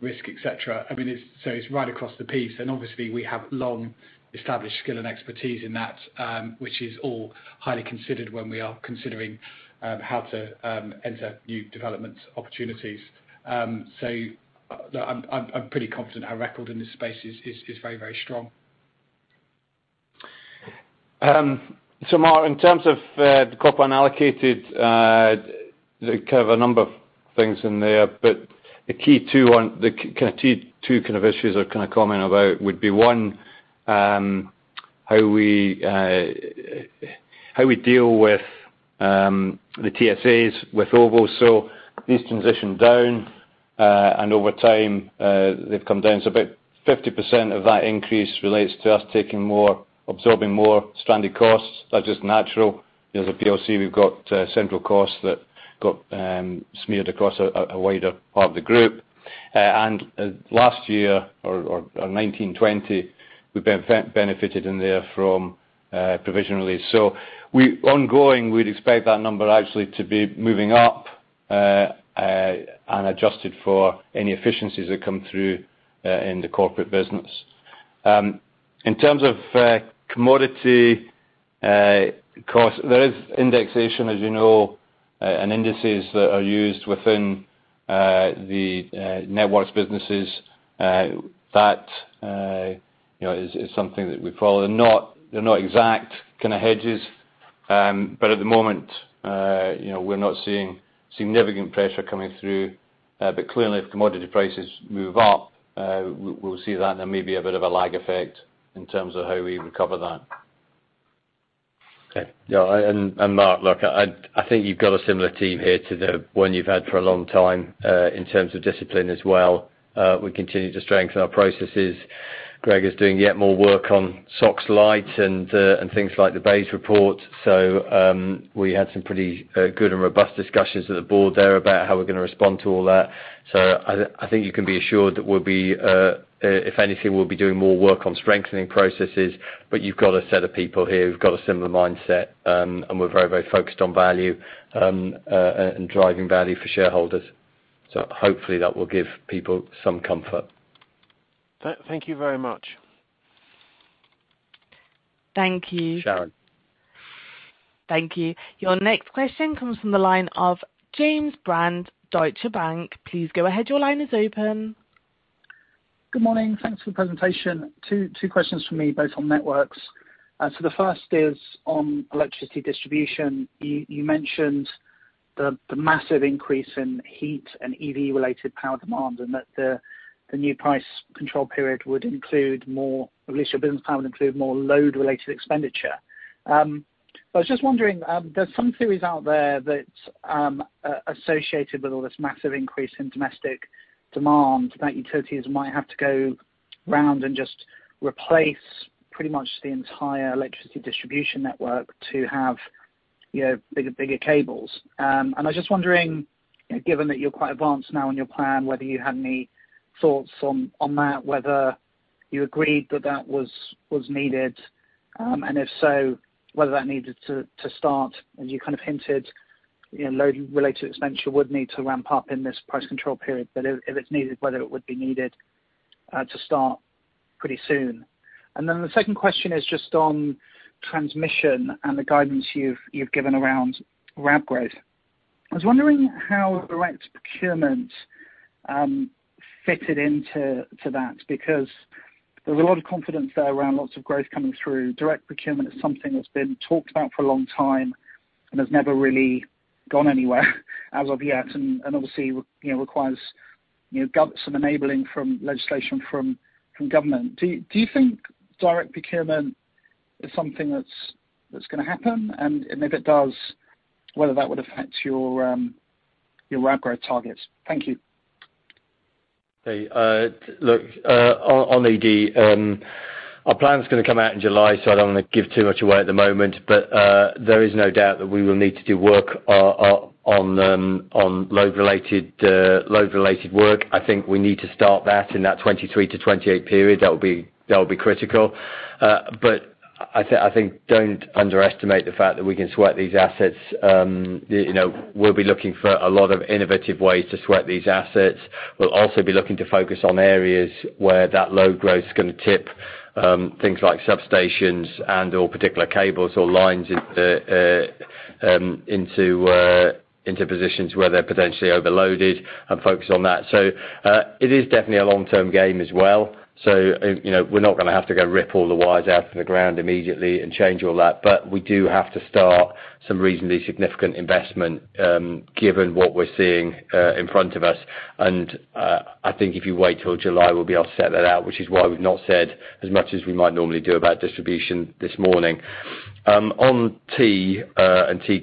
risk, et cetera. It's right across the piece. We have long-established skill and expertise in that, which is all highly considered when we are considering how to enter new development opportunities. I'm pretty confident our record in this space is very strong. Mark, in terms of the corporate unallocated, there are a number of things in there, but the key two issues I can comment about would be, one, how we deal with the transitional services agreement with OVO. These transition down, and over time, they've come down to about 50% of that increase relates to us absorbing more standing costs. That's just natural. As a public limited company, we've got central costs that got smeared across a wider part of the group. Last year or 2019, 2020, we benefited in there from provision release. Ongoing, we'd expect that number actually to be moving up and adjusted for any efficiencies that come through in the corporate business. In terms of commodity cost, there's indexation, as you know, and indices that are used within the networks businesses. That is something that we call. They're not exact hedges. At the moment, we're not seeing significant pressure coming through. Clearly, if commodity prices move up, we'll see that there may be a bit of a lag effect in terms of how we recover that. Okay. Mark, look, I think you've got a similar team here to the one you've had for a long time in terms of discipline as well. We continue to strengthen our processes. Gregor's doing yet more work on SOX Lite and things like the BEIS report. We had some pretty good and robust discussions at the board there about how we're going to respond to all that. I think you can be assured that if anything, we'll be doing more work on strengthening processes. You've got a set of people here who've got a similar mindset, and we're very focused on value and driving value for shareholders. Hopefully that will give people some comfort. Thank you very much. Thank you. Sharon. Thank you. Your next question comes from the line of James Brand, Deutsche Bank. Please go ahead. Your line is open. Good morning. Thanks for the presentation. Two questions from me, both on networks. The first is on electricity distribution. You mentioned the massive increase in heat and EV-related power demands, and that the new price control period would include more, at least your business plan would include more load-related expenditure. I was just wondering, there's some theories out there that associated with all this massive increase in domestic demand that utilities might have to go around and just replace pretty much the entire electricity distribution network to have bigger cables. I was just wondering, given that you're quite advanced now in your plan, whether you had any thoughts on that, whether you agreed that that was needed, and if so, whether that needed to start as you hinted load-related expenditure would need to ramp up in this price control period. If it's needed, whether it would be needed to start pretty soon. The second question is just on transmission and the guidance you've given around RAV growth. I was wondering how direct procurement fitted into that because there was a lot of confidence there around lots of growth coming through. Direct procurement is something that's been talked about for a long time and has never really gone anywhere as of yet. Obviously, requires some enabling from legislation from government. Do you think direct procurement is something that's going to happen? If it does, whether that would affect your RAV growth targets? Thank you. Hey, look, on electricity distribution our plan's going to come out in July. I don't want to give too much away at the moment. There is no doubt that we will need to do work on load-related work. I think we need to start that in that 2023 to 2028 period. That will be critical. I think, don't underestimate the fact that we can sweat these assets. We'll be looking for a lot of innovative ways to sweat these assets. We'll also be looking to focus on areas where that load growth is going to tip things like substations and/or particular cables or lines into positions where they're potentially overloaded and focus on that. It is definitely a long-term game as well. We're not going to have to go rip all the wires out from the ground immediately and change all that. We do have to start some reasonably significant investment, given what we are seeing in front of us. I think if you wait till July, we'll be able to set that out, which is why we've not said as much as we might normally do about distribution this morning. On T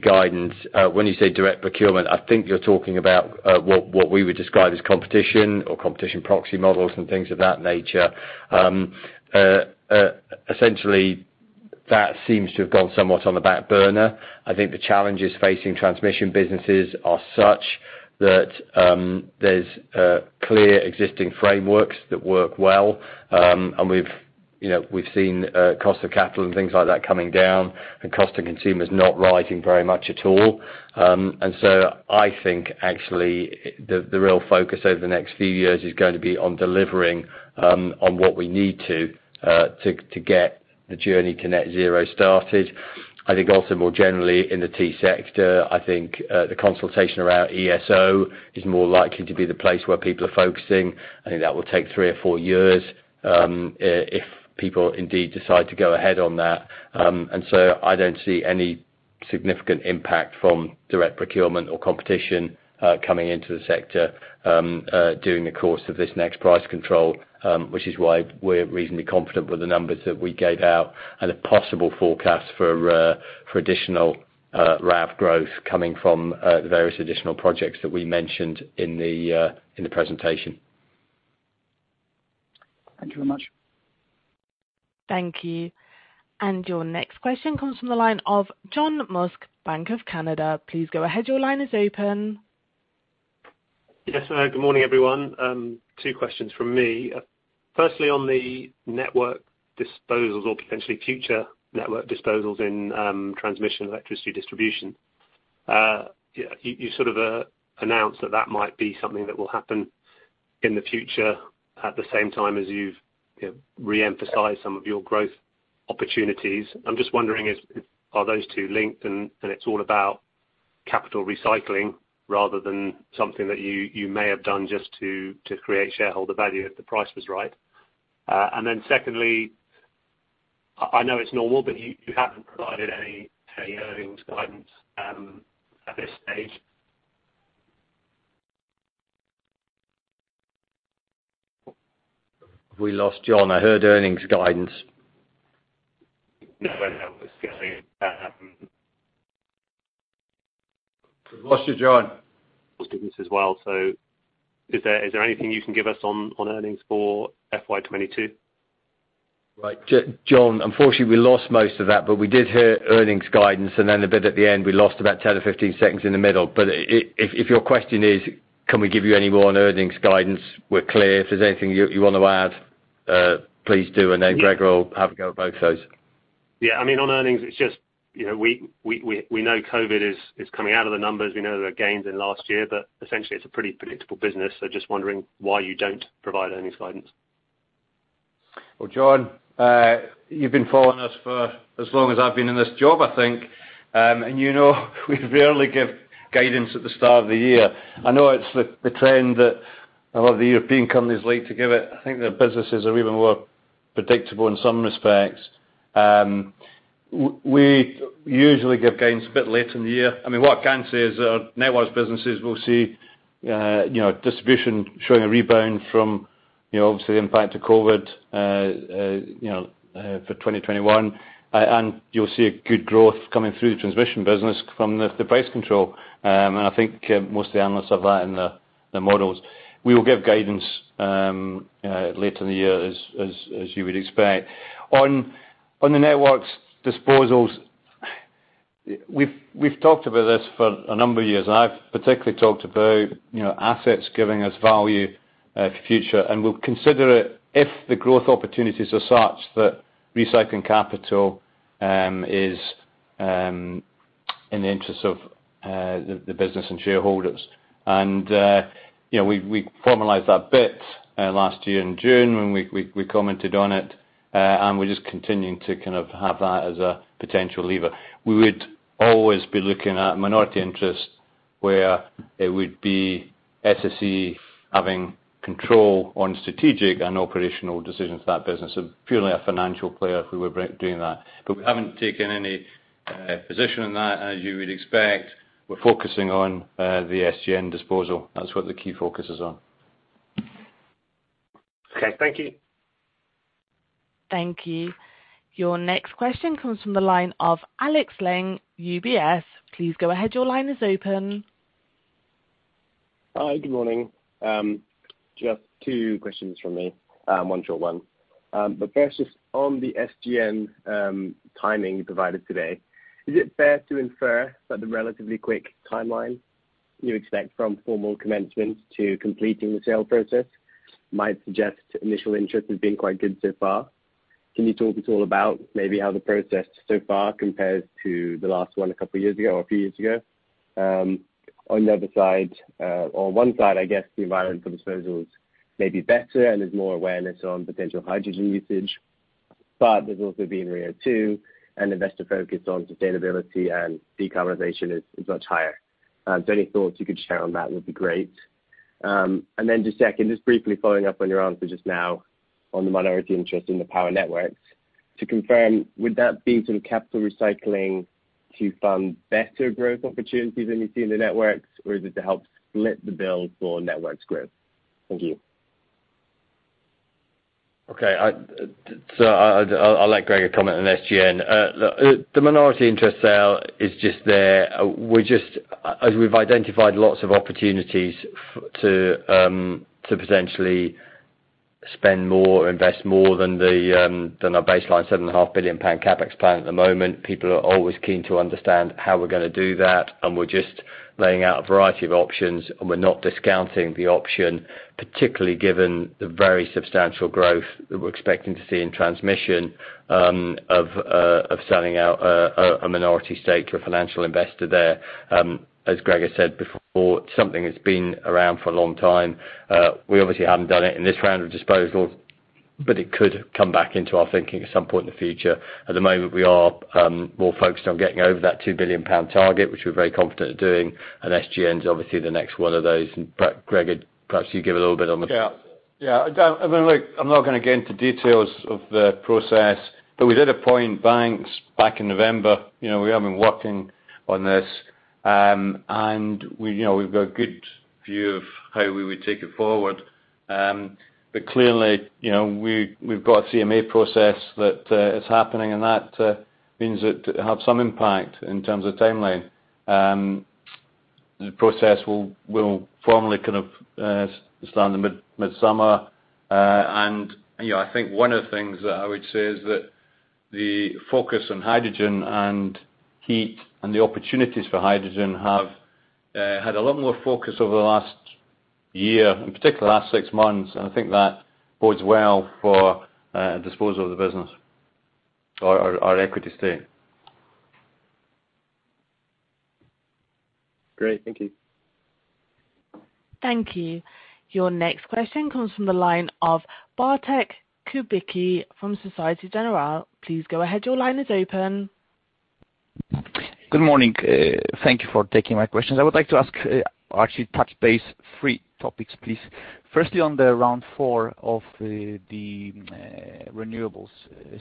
guidance, when you say direct procurement, I think you're talking about what we would describe as competition or competition proxy models and things of that nature. Essentially, that seems to have gone somewhat on the back burner. I think the challenges facing transmission businesses are such that there's clear existing frameworks that work well. We've seen cost of capital and things like that coming down and cost to consumers not rising very much at all. I think actually the real focus over the next few years is going to be on delivering on what we need to get the journey Net Zero started. I think also more generally in the T sector, I think the consultation around electricity system operator is more likely to be the place where people are focusing. I think that will take three or four years if people indeed decide to go ahead on that. I don't see any significant impact from direct procurement or competition coming into the sector during the course of this next price control, which is why we're reasonably confident with the numbers that we gave out and a possible forecast for additional RAV growth coming from the various additional projects that we mentioned in the presentation. Thank you very much. Thank you. Your next question comes from the line of John Musk, RBC Capital Markets. Please go ahead. Yes. Good morning, everyone. Two questions from me. Firstly, on the network disposals or potentially future network disposals in transmission and electricity distribution. You sort of announced that that might be something that will happen in the future at the same time as you've re-emphasized some of your growth opportunities. I'm just wondering are those two linked and it's all about capital recycling rather than something that you may have done just to create shareholder value if the price was right? Then secondly, I know it's normal, but you haven't provided any earnings guidance at this stage. We lost John. I heard earnings guidance. [audio ditortion] We've lost you, John. As well. Is there anything you can give us on earnings for FY 2022? John, unfortunately, we lost most of that, but we did hear earnings guidance and then the bit at the end, we lost about 10 or 15 seconds in the middle. If your question is, can we give you any more on earnings guidance? We're clear. If there's anything you want to add, please do. Then Greg will have a go at both those. Yeah, on earnings. We know COVID is coming out of the numbers. We know there were gains in the last year, but essentially it's a pretty predictable business. Just wondering why you don't provide any guidance. John, you've been following us for as long as I've been in this job, I think. You know we barely give guidance at the start of the year. I know it's the trend that a lot of the European companies like to give it. I think their businesses are even more predictable in some respects. We usually give guidance a bit later in the year. What I can say is our Networks businesses will see distribution showing a rebound from obviously the impact of COVID for 2021. You'll see good growth coming through the Transmission business from the price control. I think most analysts have that in their models. We will give guidance later in the year, as you would expect. On the Networks disposals, we've talked about this for a number of years. I've particularly talked about assets giving us value for future. We'll consider it if the growth opportunities are such that recycling capital is in the interest of the business and shareholders. We formalized that a bit last year in June when we commented on it, and we're just continuing to have that as a potential lever. We would always be looking at minority interest where it would be SSE having control on strategic and operational decisions for that business, and purely a financial player if we were doing that. We haven't taken any position on that, as you would expect. We're focusing on the SGN disposal. That's what the key focus is on. Okay. Thank you. Thank you. Your next question comes from the line of Alexander Laing, UBS. Please go ahead. Your line is open. Hi, good morning. Just two questions from me, one short one. First, just on the SGN timing provided today, is it fair to infer that the relatively quick timeline you expect from formal commencement to completing the sale process might suggest initial interest has been quite good so far? Can you talk at all about maybe how the process so far compares to the last one a couple of years ago or a few years ago? On the other side, or one side, I guess the environment for disposals may be better and there's more awareness on potential hydrogen usage, but there's also been CO2 and investor focus on sustainability and decarbonization has got higher. Any thoughts you could share on that would be great. Just second, just briefly following up on your answer just now on the minority interest in the power networks. To confirm, would that be sort of capital recycling to fund better growth opportunities that you see in the networks, or is it to help split the bill for networks growth? Thank you. I'll let Greg comment on SGN. The minority interest sale is just there. As we've identified lots of opportunities to potentially spend more, invest more than our baseline 7.5 billion pound CapEx plan at the moment. People are always keen to understand how we're going to do that, and we're just laying out a variety of options, and we're not discounting the option, particularly given the very substantial growth that we're expecting to see in Transmission of selling out a minority stake to a financial investor there. As Greg has said before, it's something that's been around for a long time. We obviously haven't done it in this round of disposals, but it could come back into our thinking at some point in the future. At the moment, we are more focused on getting over that 2 billion pound target, which we're very confident of doing, and SGN's obviously the next one of those. Greg, perhaps you give a little bit on the. (crosstalk) Yeah. I'm not going to get into details of the process, we did appoint banks back in November. We have been working on this. We've got a good view of how we would take it forward. Clearly, we've got a CMA process that is happening and that means that it will have some impact in terms of timeline. The process will formally kind of stand midsummer. I think one of the things that I would say is that the focus on hydrogen and heat and the opportunities for hydrogen have had a lot more focus over the last year, in particular the last six months. I think that bodes well for disposal of the business or our equity stake. Great. Thank you. Thank you. Your next question comes from the line of Bartek Kubicki from Societe Generale. Please go ahead. Your line is open. Good morning. Thank you for taking my question. I would like to actually touch base three topics, please. Firstly, on the Round 4 of the renewables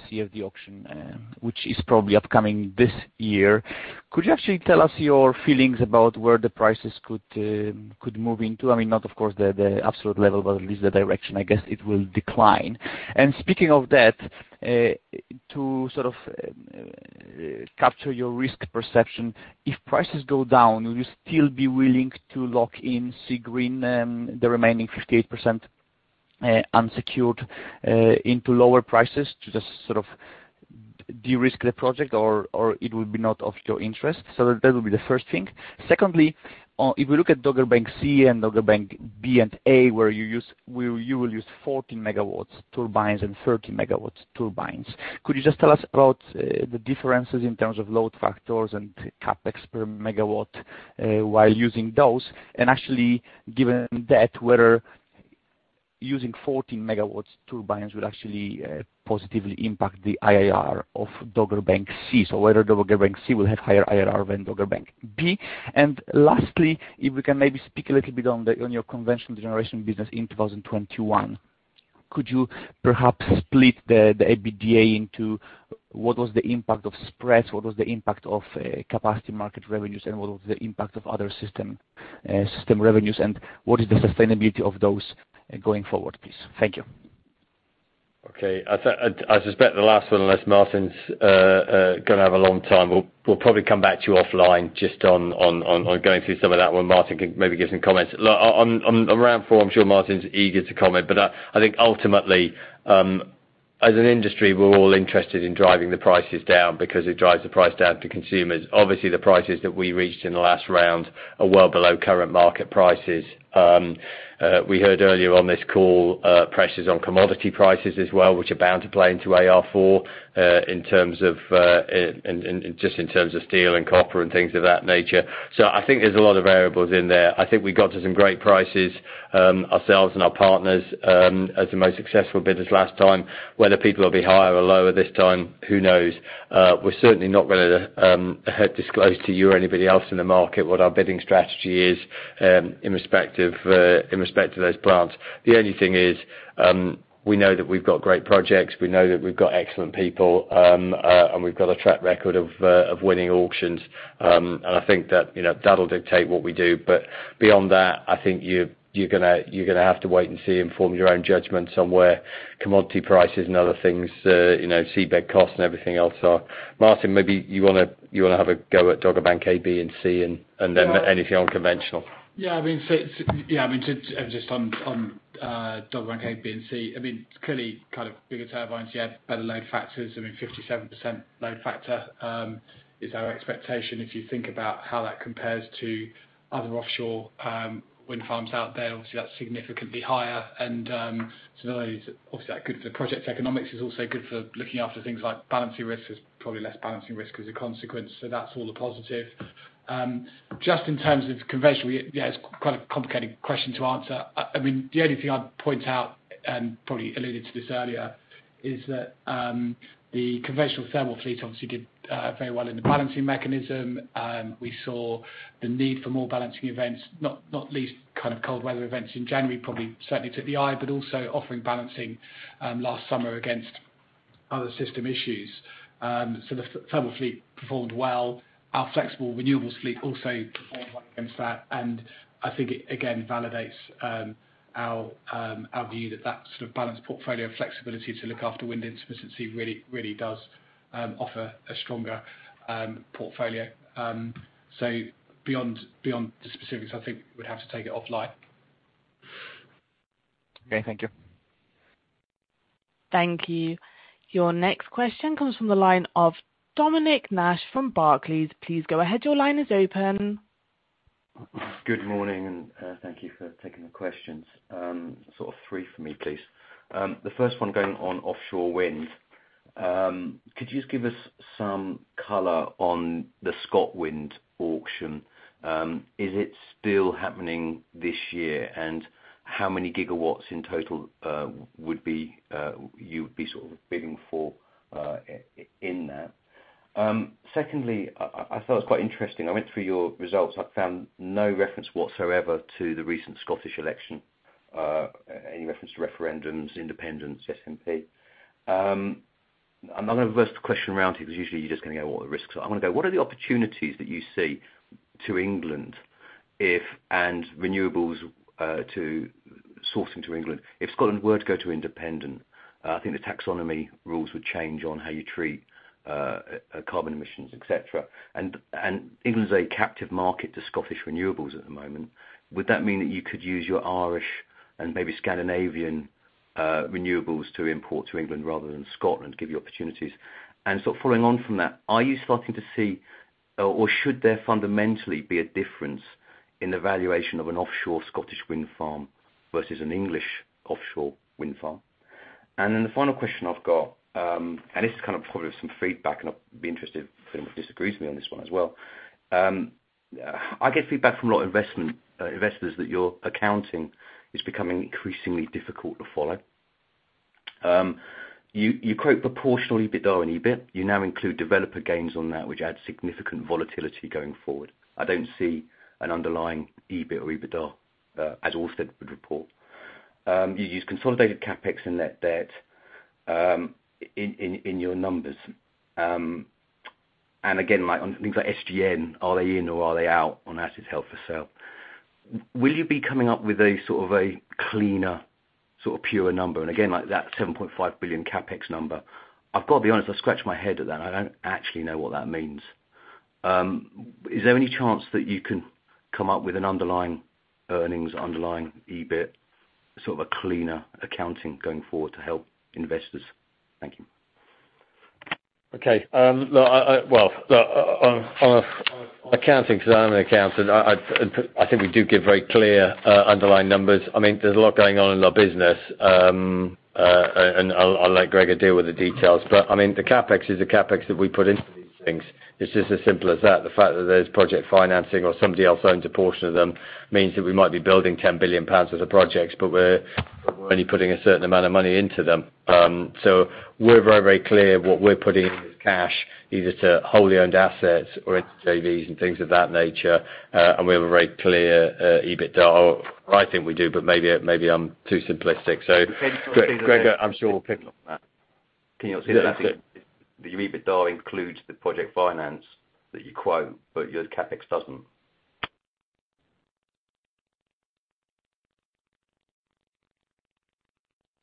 CFD auction, which is probably upcoming this year. Could you actually tell us your feelings about where the prices could move into? I mean, not of course the absolute level, but at least the direction. I guess it will decline. Speaking of that, to sort of capture your risk perception. If prices go down, will you still be willing to lock in Seagreen, the remaining 58% unsecured into lower prices to just sort of de-risk the project or it will be not of your interest? That will be the first thing. Secondly, if we look at Dogger Bank C and Dogger Bank B and A, where you will use 14 MW turbines and 13 MW turbines. Could you just tell us about the differences in terms of load factors and CapEx per megawatt, while using those? Actually, given that, whether using 14 MW turbines would actually positively impact the IRR of Dogger Bank C, so whether Dogger Bank C will have higher IRR than Dogger Bank B. Lastly, if we can maybe speak a little bit on your conventional generation business in 2021. Could you perhaps split the EBITDA into what was the impact of spreads, what was the impact of capacity market revenues, and what was the impact of other system revenues, and what is the sustainability of those going forward, please? Thank you. Okay. I suspect the last one, unless Martin's going to have a long time, we'll probably come back to you offline just on going through some of that one. Martin can maybe give some comments. Round 4, I'm sure Martin's eager to comment, I think ultimately, as an industry, we're all interested in driving the prices down because it drives the price down to consumers. Obviously, the prices that we reached in the last round are well below current market prices. We heard earlier on this call, pressures on commodity prices as well, which are bound to play into AR4, just in terms of steel and copper and things of that nature. I think there's a lot of variables in there. I think we got to some great prices, ourselves and our partners, as the most successful bidders last time. Whether people will be higher or lower this time, who knows? We're certainly not going to disclose to you or anybody else in the market what our bidding strategy is in respect to those plants. The only thing is, we know that we've got great projects, we know that we've got excellent people, and we've got a track record of winning auctions. I think that'll dictate what we do. Beyond that, I think you're going to have to wait and see and form your own judgment on where commodity prices and other things, seabed costs and everything else are. Martin, maybe you want to have a go at Dogger Bank A, B, and C and then anything on conventional. Yeah, just on Dogger Bank A, B, and C. Clearly, bigger turbines, better load factors. 57% load factor is our expectation. If you think about how that compares to other offshore wind farms out there, obviously that's significantly higher. Obviously that's good for project economics, it's also good for looking after things like balancing risks. There's probably less balancing risk as a consequence, so that's all a positive. Just in terms of conventional, yeah, it's quite a complicated question to answer. The only thing I'd point out, probably alluded to this earlier, is that the conventional thermal fleet obviously did very well in the balancing mechanism. We saw the need for more balancing events, not least cold weather events in January probably certainly to the eye, but also offering balancing last summer against other system issues. The thermal fleet performed well. Our flexible renewables fleet also performed well against that. I think it, again, validates our view that sort of balanced portfolio flexibility to look after wind intermittency really does offer a stronger portfolio. Beyond the specifics, I think we'd have to take it offline. Okay, thank you. Thank you. Your next question comes from the line of Dominic Nash from Barclays. Please go ahead. Good morning, thank you for taking the questions. Sort of three for me, please. The first one going on offshore wind. Could you just give us some color on the ScotWind auction? Is it still happening this year? How many gigawatts in total you'd be bidding for in that? Secondly, I thought it was quite interesting. I went through your results. I found no reference whatsoever to the recent Scottish election. Any reference to referendums, independence, Scottish National Party. I'm not going to reverse the question around here because usually you're just going to go, "Well, what are the risks?" I want to go, what are the opportunities that you see to England and renewables to sourcing to England if Scotland were to go independent? I think the taxonomy rules would change on how you treat carbon emissions, et cetera. England's a captive market to Scottish renewables at the moment. Would that mean that you could use your Irish and maybe Scandinavian renewables to import to England rather than Scotland, give you opportunities? Following on from that, are you starting to see or should there fundamentally be a difference in the valuation of an offshore Scottish wind farm versus an English offshore wind farm? Then the final question I've got, and this is probably some feedback, and I'll be interested if anyone disagrees with me on this one as well. I get feedback from a lot of investors that your accounting is becoming increasingly difficult to follow. You quote proportionally EBITDA and EBIT. You now include developer gains on that which add significant volatility going forward. I don't see an underlying EBIT or EBITDA as Ofgem would report. You use consolidated CapEx and net debt in your numbers. On things like SGN, are they in or are they out on assets held for sale? Will you be coming up with a sort of a cleaner, sort of pure number? Like that 7.5 billion CapEx number, I've got to be honest, I scratch my head at that. I don't actually know what that means. Is there any chance that you can come up with an underlying earnings, underlying EBIT, sort of a cleaner accounting going forward to help investors? Thank you. Okay. Well, look, on accounting, because I am an accountant, I think we do give very clear underlying numbers. There's a lot going on in our business, and I'll let Gregor deal with the details, but the CapEx is the CapEx that we put into these things. It's just as simple as that. The fact that there's project financing or somebody else owns a portion of them means that we might be building £10 billion worth of projects, but we're only putting a certain amount of money into them. We're very clear what we're putting in as cash, either to wholly owned assets or JVs and things of that nature. We have a very clear EBITDA, or I think we do, but maybe I'm too simplistic. Gregor, I'm sure we'll pick up on that. Can you see that the EBITDA includes the project finance that you quote, but your CapEx doesn't?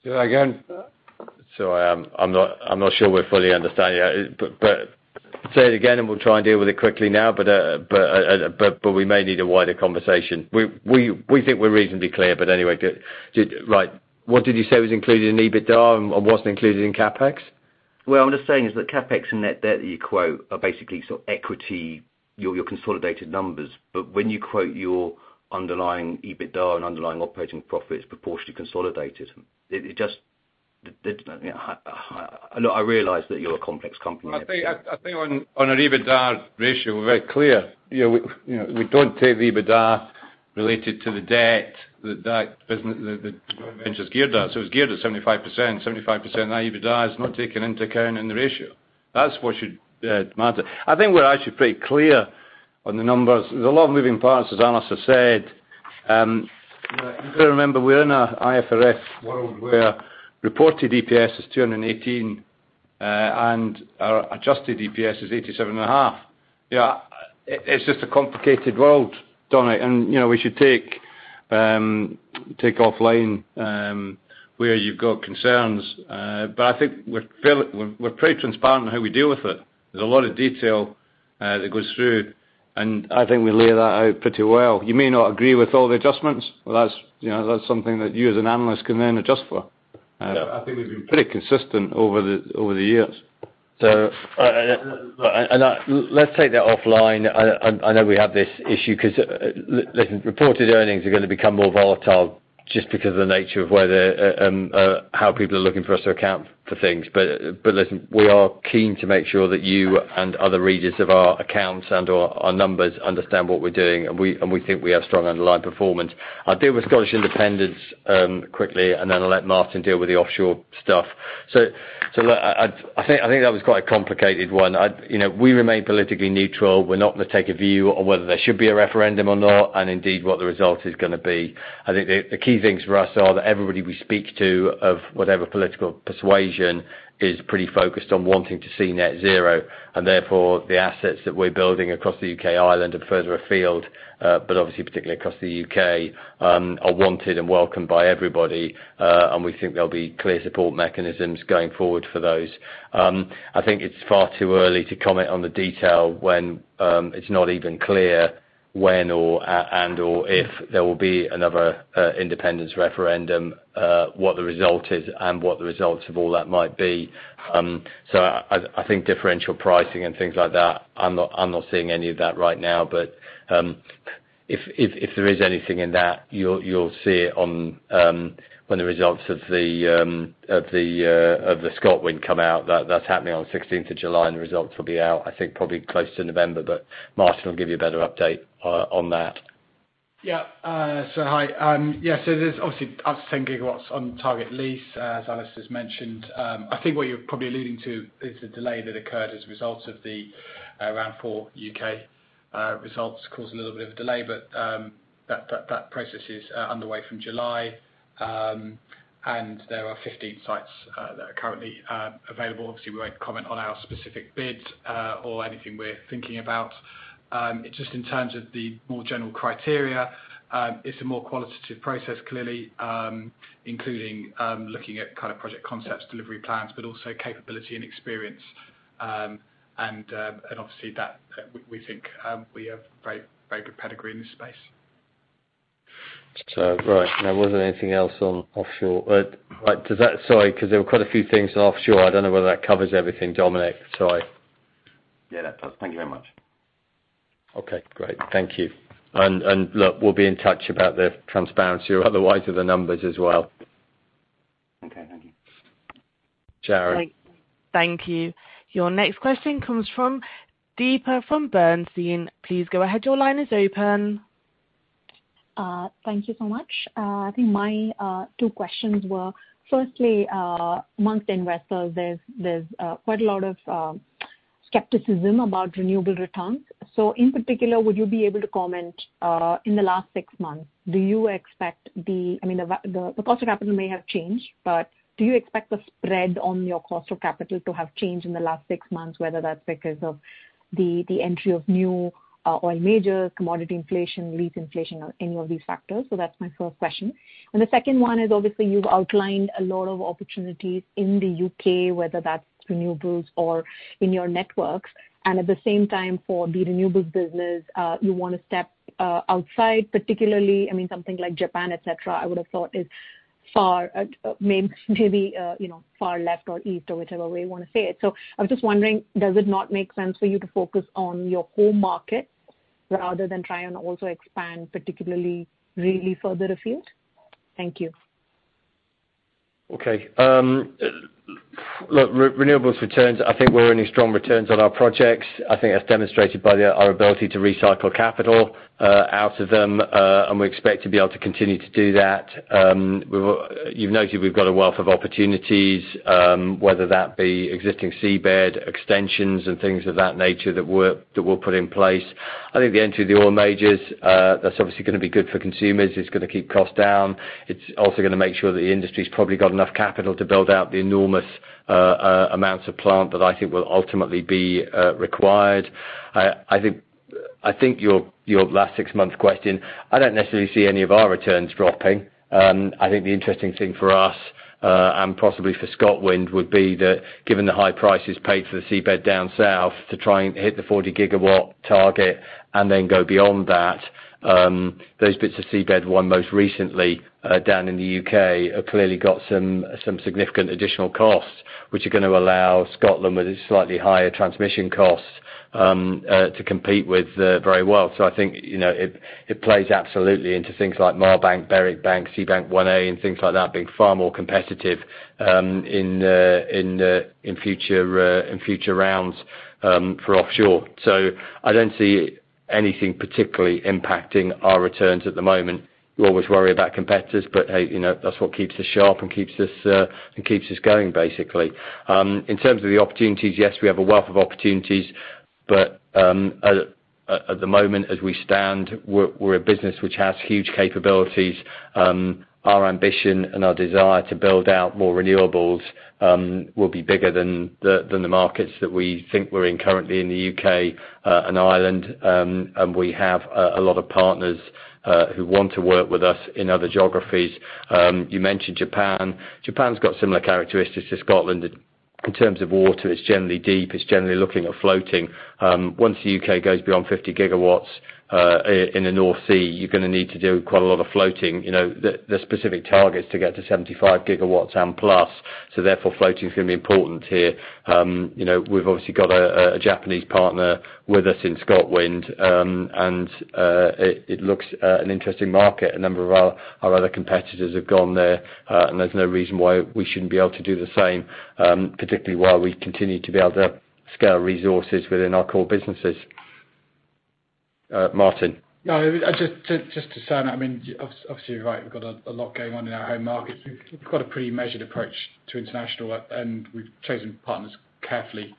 Say that again. Sorry, I'm not sure we fully understand you. Say it again. We'll try and deal with it quickly now. We may need a wider conversation. We think we're reasonably clear, anyway. Right. What did you say was included in EBITDA and wasn't included in CapEx? I'm just saying is that CapEx and net debt that you quote are basically sort of equity, your consolidated numbers, but when you quote your underlying EBITDA and underlying operating profits proportionally consolidated. I realize that you're a complex company. I think on our EBITDA ratio, we're very clear. We don't take the EBITDA related to the debt that the venture is geared at. It's geared at 75%. 75% of that EBITDA is not taken into account in the ratio. That's what should matter. I think we're actually pretty clear on the numbers. There's a lot of moving parts, as Alistair said. You got to remember, we're in a IFRS world where reported EPS is 218, and our adjusted EPS is 87.5. It's just a complicated world, Dominic, and we should take offline where you've got concerns. I think we're pretty transparent in how we deal with it. There's a lot of detail that goes through, and I think we lay that out pretty well. You may not agree with all the adjustments. Well, that's something that you as an analyst can then adjust for. I think we've been pretty consistent over the years. Let's take that offline. I know we have this issue because, listen, reported earnings are going to become more volatile just because of the nature of how people are looking for us to account for things. Listen, we are keen to make sure that you and other readers of our accounts and/or our numbers understand what we're doing, and we think we have strong underlying performance. I'll deal with Scottish independence quickly, and then I'll let Martin deal with the offshore stuff. Look, I think that was quite a complicated one. We remain politically neutral. We're not going to take a view on whether there should be a referendum or not, and indeed what the result is going to be. I think the key things for us are that everybody we speak to, of whatever political persuasion, is pretty focused on wanting to see net zero, and therefore the assets that we're building across the U.K., Ireland, and further afield, but obviously particularly across the U.K., are wanted and welcomed by everybody. We think there'll be clear support mechanisms going forward for those. I think it's far too early to comment on the detail when it's not even clear when and/or if there will be another independence referendum, what the result is, and what the results of all that might be. I think differential pricing and things like that, I'm not seeing any of that right now. If there is anything in that, you'll see it when the results of the ScotWind come out. That's happening on the 16th of July, and the results will be out, I think, probably close to November. Martin will give you a better update on that. Yeah. There's obviously 10 GW on target lease, as Alistair's mentioned. I think what you're probably alluding to is the delay that occurred as a result of the Round 4 results caused a little bit of a delay, but that process is underway from July. There are 15 sites that are currently available. Obviously, we won't comment on our specific bids or anything we're thinking about. Just in terms of the more general criteria, it's a more qualitative process, clearly, including looking at project concepts, delivery plans, but also capability and experience. Obviously, we think we have very good pedigree in this space. Right. There wasn't anything else on offshore. Sorry, because there were quite a few things on offshore. I don't know whether that covers everything, Dominic. Sorry. Yeah, that does. Thank you very much. Okay, great. Thank you. Look, we'll be in touch about the transparency or otherwise of the numbers as well. Sharon. Thank you. Your next question comes from Deepa Venkateswaran from Bernstein. Please go ahead. Your line is open. Thank you so much. I think my two questions were, firstly, amongst investors, there's quite a lot of skepticism about renewable returns. In particular, would you be able to comment in the last six months, the cost of capital may have changed, but do you expect the spread on your cost of capital to have changed in the last six months, whether that's because of the entry of new oil majors, commodity inflation, lease inflation, or any of these factors? That's my first question. The second one is, obviously you've outlined a lot of opportunities in the U.K., whether that's renewables or in your networks. At the same time for the renewables business, you want to step outside, particularly, something like Japan, et cetera, I would have thought. Far maybe, far left or east or whichever way you want to say it. I'm just wondering, does it not make sense for you to focus on your home market rather than try and also expand, particularly really further afield? Thank you. Okay. Look, renewables returns, I think we're earning strong returns on our projects. I think that's demonstrated by our ability to recycle capital out of them, and we expect to be able to continue to do that. You've noted we've got a wealth of opportunities, whether that be existing seabed extensions and things of that nature that were put in place. I think the entry of the oil majors, that's obviously going to be good for consumers. It's going to keep costs down. It's also going to make sure that the industry's probably got enough capital to build out the enormous amounts of plant that I think will ultimately be required. I think your last six months question, I don't necessarily see any of our returns dropping. I think the interesting thing for us, and possibly for ScotWind, would be that given the high prices paid for the seabed down south to try and hit the 40 GW target and then go beyond that, those bits of seabed won most recently down in the U.K. have clearly got some significant additional costs, which are going to allow Scotland, with its slightly higher transmission costs, to compete very well. I think it plays absolutely into things like Marr Bank, Berwick Bank, Seagreen 1A, and things like that being far more competitive in future rounds for offshore. I don't see anything particularly impacting our returns at the moment. We always worry about competitors, but hey, that's what keeps us sharp and keeps us going, basically. In terms of the opportunities, yes, we have a wealth of opportunities, but at the moment, as we stand, we're a business which has huge capabilities. Our ambition and our desire to build out more renewables will be bigger than the markets that we think we're in currently in the U.K. and Ireland, and we have a lot of partners who want to work with us in other geographies. You mentioned Japan. Japan's got similar characteristics to Scotland. In terms of water, it's generally deep. It's generally looking at floating. Once the U.K. goes beyond 50 GW in the North Sea, you're going to need to do quite a lot of floating. There are specific targets to get to 75 GW and plus, so therefore floating is going to be important here. We've obviously got a Japanese partner with us in ScotWind, and it looks an interesting market. A number of our other competitors have gone there, and there's no reason why we shouldn't be able to do the same, particularly while we continue to be able to scale resources within our core businesses. Martin? Just to say, obviously, you're right, we've got a lot going on in our own market. We've got a pretty measured approach to international, and we've chosen partners carefully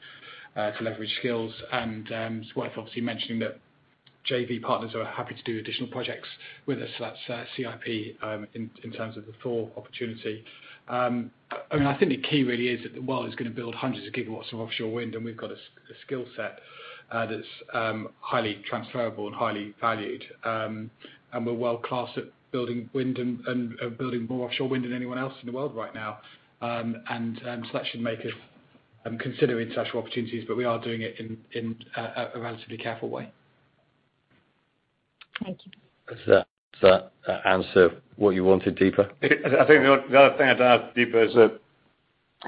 to leverage skills. It's worth obviously mentioning that JV partners are happy to do additional projects with us at CIP in terms of the forward opportunity. I think the key really is that the world is going to build hundreds of gigawatts of offshore wind, and we've got a skill set that's highly transferable and highly valued. We're world-class at building wind and building more offshore wind than anyone else in the world right now. That should make us consider international opportunities, but we are doing it in a relatively careful way. Thank you. Does that answer what you wanted, Deepa? I think the other thing I'd add, Deepa, is that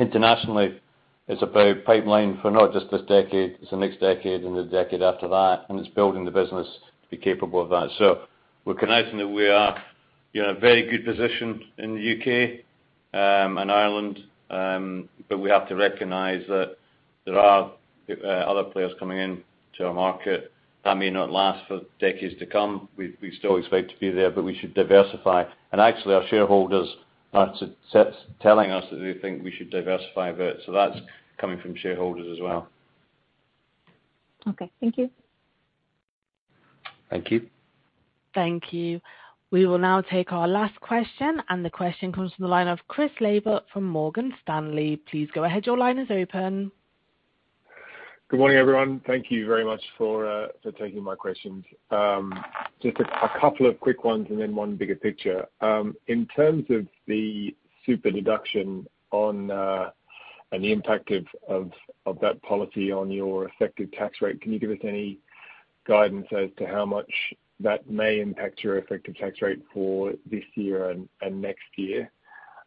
internationally, it's about pipeline for not just this decade, it's the next decade and the decade after that, and it's building the business to be capable of that. We're cognizant that we are in a very good position in the U.K. and Ireland, but we have to recognize that there are other players coming into our market. That may not last for decades to come. We still expect to be there, but we should diversify. Actually our shareholders are telling us that they think we should diversify a bit, so that's coming from shareholders as well. Okay. Thank you. Thank you. Thank you. We will now take our last question. The question comes from the line of Chris Laybutt from Morgan Stanley. Please go ahead. Your line is open. Good morning, everyone. Thank you very much for taking my questions. Just a couple of quick ones and then one bigger picture. In terms of the super deduction and the impact of that policy on your effective tax rate, can you give us any guidance as to how much that may impact your effective tax rate for this year and next year?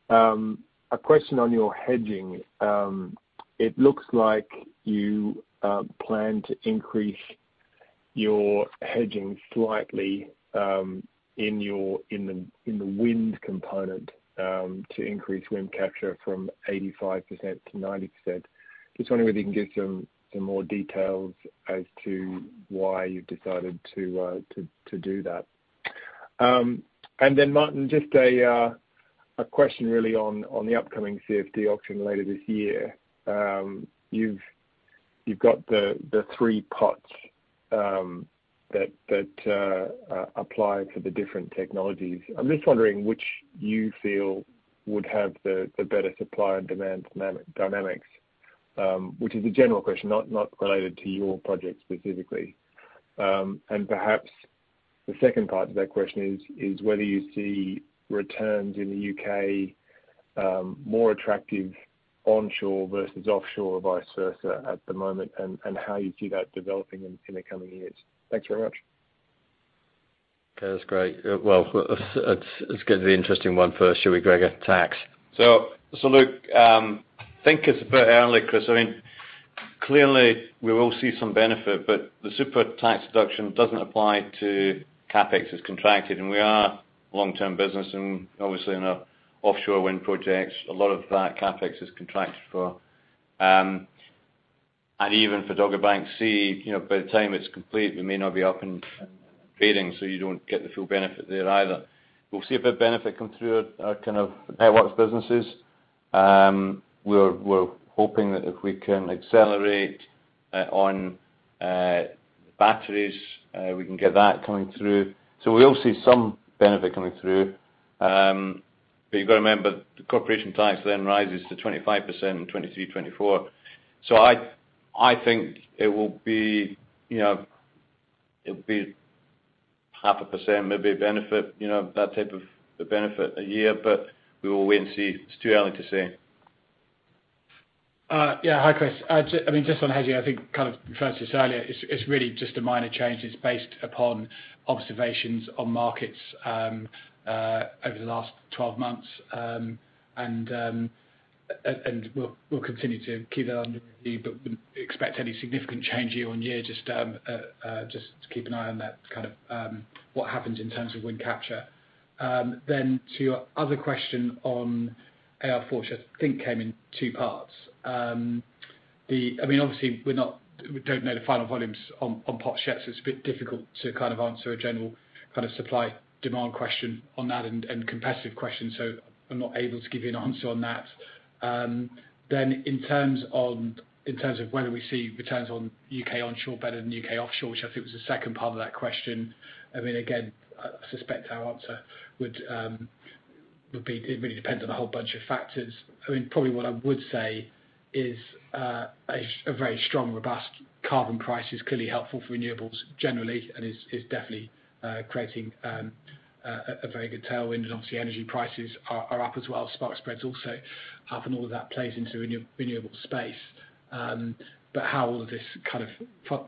A question on your hedging. It looks like you plan to increase your hedging slightly in the wind component to increase wind capture from 85% to 90%. Just wondering if you can give some more details as to why you've decided to do that. Then, Martin, just a question really on the upcoming CFD auction later this year. You've got the three pots that apply to the different technologies. I'm just wondering which you feel would have the better supply and demand dynamics, which is a general question, not related to your project specifically. Perhaps the second part of that question is whether you see returns in the U.K. more attractive onshore versus offshore or vice versa at the moment, and how you see that developing in the coming years? Thanks very much. Okay, that's great. Well, it's going to be an interesting one first, shall we, Gregor? Tax. Look, I think it's a bit early, Chris. Clearly, we will see some benefit, but the super tax deduction doesn't apply to CapEx as contracted, and we are a long-term business and obviously in our offshore wind projects, a lot of that CapEx is contracted for. Even for Dogger Bank C, by the time it's complete, we may not be up and operating, So you don't get the full benefit there either. We'll see if a benefit comes through our network businesses. We're hoping that if we can accelerate on batteries, we can get that coming through. We will see some benefit coming through. You've got to remember, the corporation tax then rises to 25% in 2023, 2024. I think it will be half a percent, maybe a benefit, that type of benefit a year, but we will wait and see. It's too early to say. Hi, Chris. Just on hedging, I think referenced this earlier, it's just a minor change. We'll continue to keep that under review, but wouldn't expect any significant change year on year. Just to keep an eye on that, what happens in terms of wind capture. To your other question on AR4, which I think came in two parts. Obviously, we don't know the final volumes on pot sets. It's a bit difficult to answer a general supply/demand question on that and competitive question, so I'm not able to give you an answer on that. In terms of whether we see returns on U.K. onshore better than U.K. offshore, which I think was the second part of that question. Again, I suspect our answer would be it really depends on a whole bunch of factors. Probably what I would say is a very strong, robust carbon price is clearly helpful for renewables generally and is definitely creating a very good tailwind. Obviously energy prices are up as well. Spot spreads also up, and all of that plays into renewable space. How all of this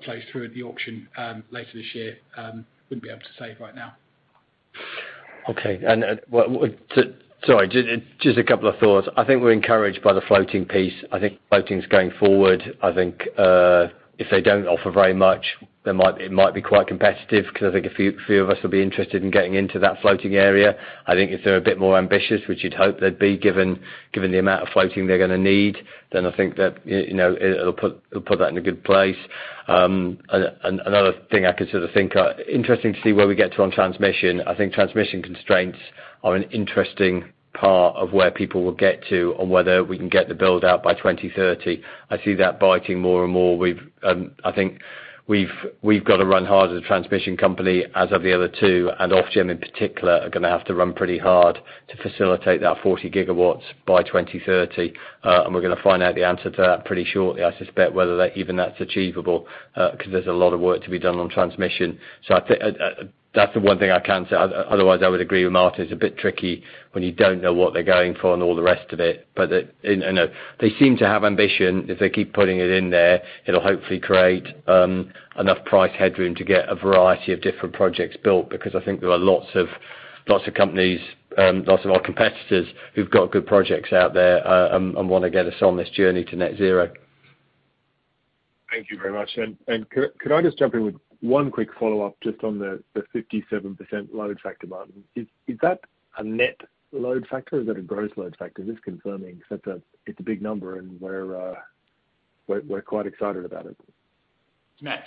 plays through at the auction later this year, wouldn't be able to say right now. Okay. Sorry, just a couple of thoughts. I think we're encouraged by the floating piece. I think floating's going forward. I think, if they don't offer very much, it might be quite competitive because I think a few of us will be interested in getting into that floating area. I think if they're a bit more ambitious, which you'd hope they'd be, given the amount of floating they're going to need, then I think that it'll put that in a good place. Another thing I could sort of think, interesting to see where we get to on transmission. I think transmission constraints are an interesting part of where people will get to on whether we can get the build-out by 2030. I see that biting more and more. I think we've got to run hard as a transmission company, as have the other two, and Ofgem in particular, are going to have to run pretty hard to facilitate that 40 GW by 2030. We're going to find out the answer to that pretty shortly, I suspect, whether even that's achievable, because there's a lot of work to be done on transmission. That's the one thing I can say. Otherwise, I would agree with Martin. It's a bit tricky when you don't know what they're going for and all the rest of it. They seem to have ambition. If they keep putting it in there, it'll hopefully create enough price headroom to get a variety of different projects built, because I think there are lots of companies, lots of our competitors, who've got good projects out there and want to get us on this journey to net zero. Thank you very much. Could I just jump in with one quick follow-up just on the 57% load factor, Martin? Is that a net load factor? Is that a gross load factor? Just confirming, because it's a big number, and we're quite excited about it. Net.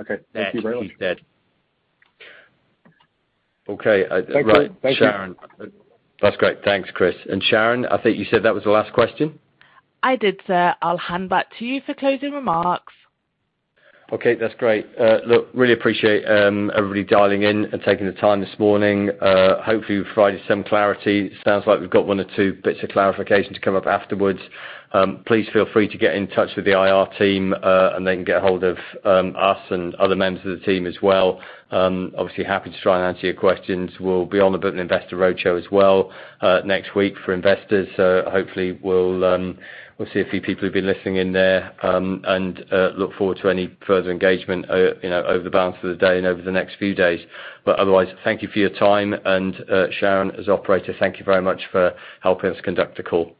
Okay. Thank you very much. Net, he said. Okay. Right. Thank you. Sharon. That's great. Thanks, Chris. Sharon, I think you said that was the last question? I did, sir. I'll hand back to you for closing remarks. Okay. That's great. Really appreciate everybody dialing in and taking the time this morning. Hopefully we've provided some clarity. Sounds like we've got one or two bits of clarification to come up afterwards. Please feel free to get in touch with the IR team, they can get ahold of us and other members of the team as well. Obviously, happy to try and answer your questions. We'll be on the Britain Investor Roadshow as well next week for investors. Hopefully we'll see a few people who've been listening in there, and look forward to any further engagement over the balance of the day and over the next few days. Otherwise, thank you for your time, and Sharon, as operator, thank you very much for helping us conduct the call.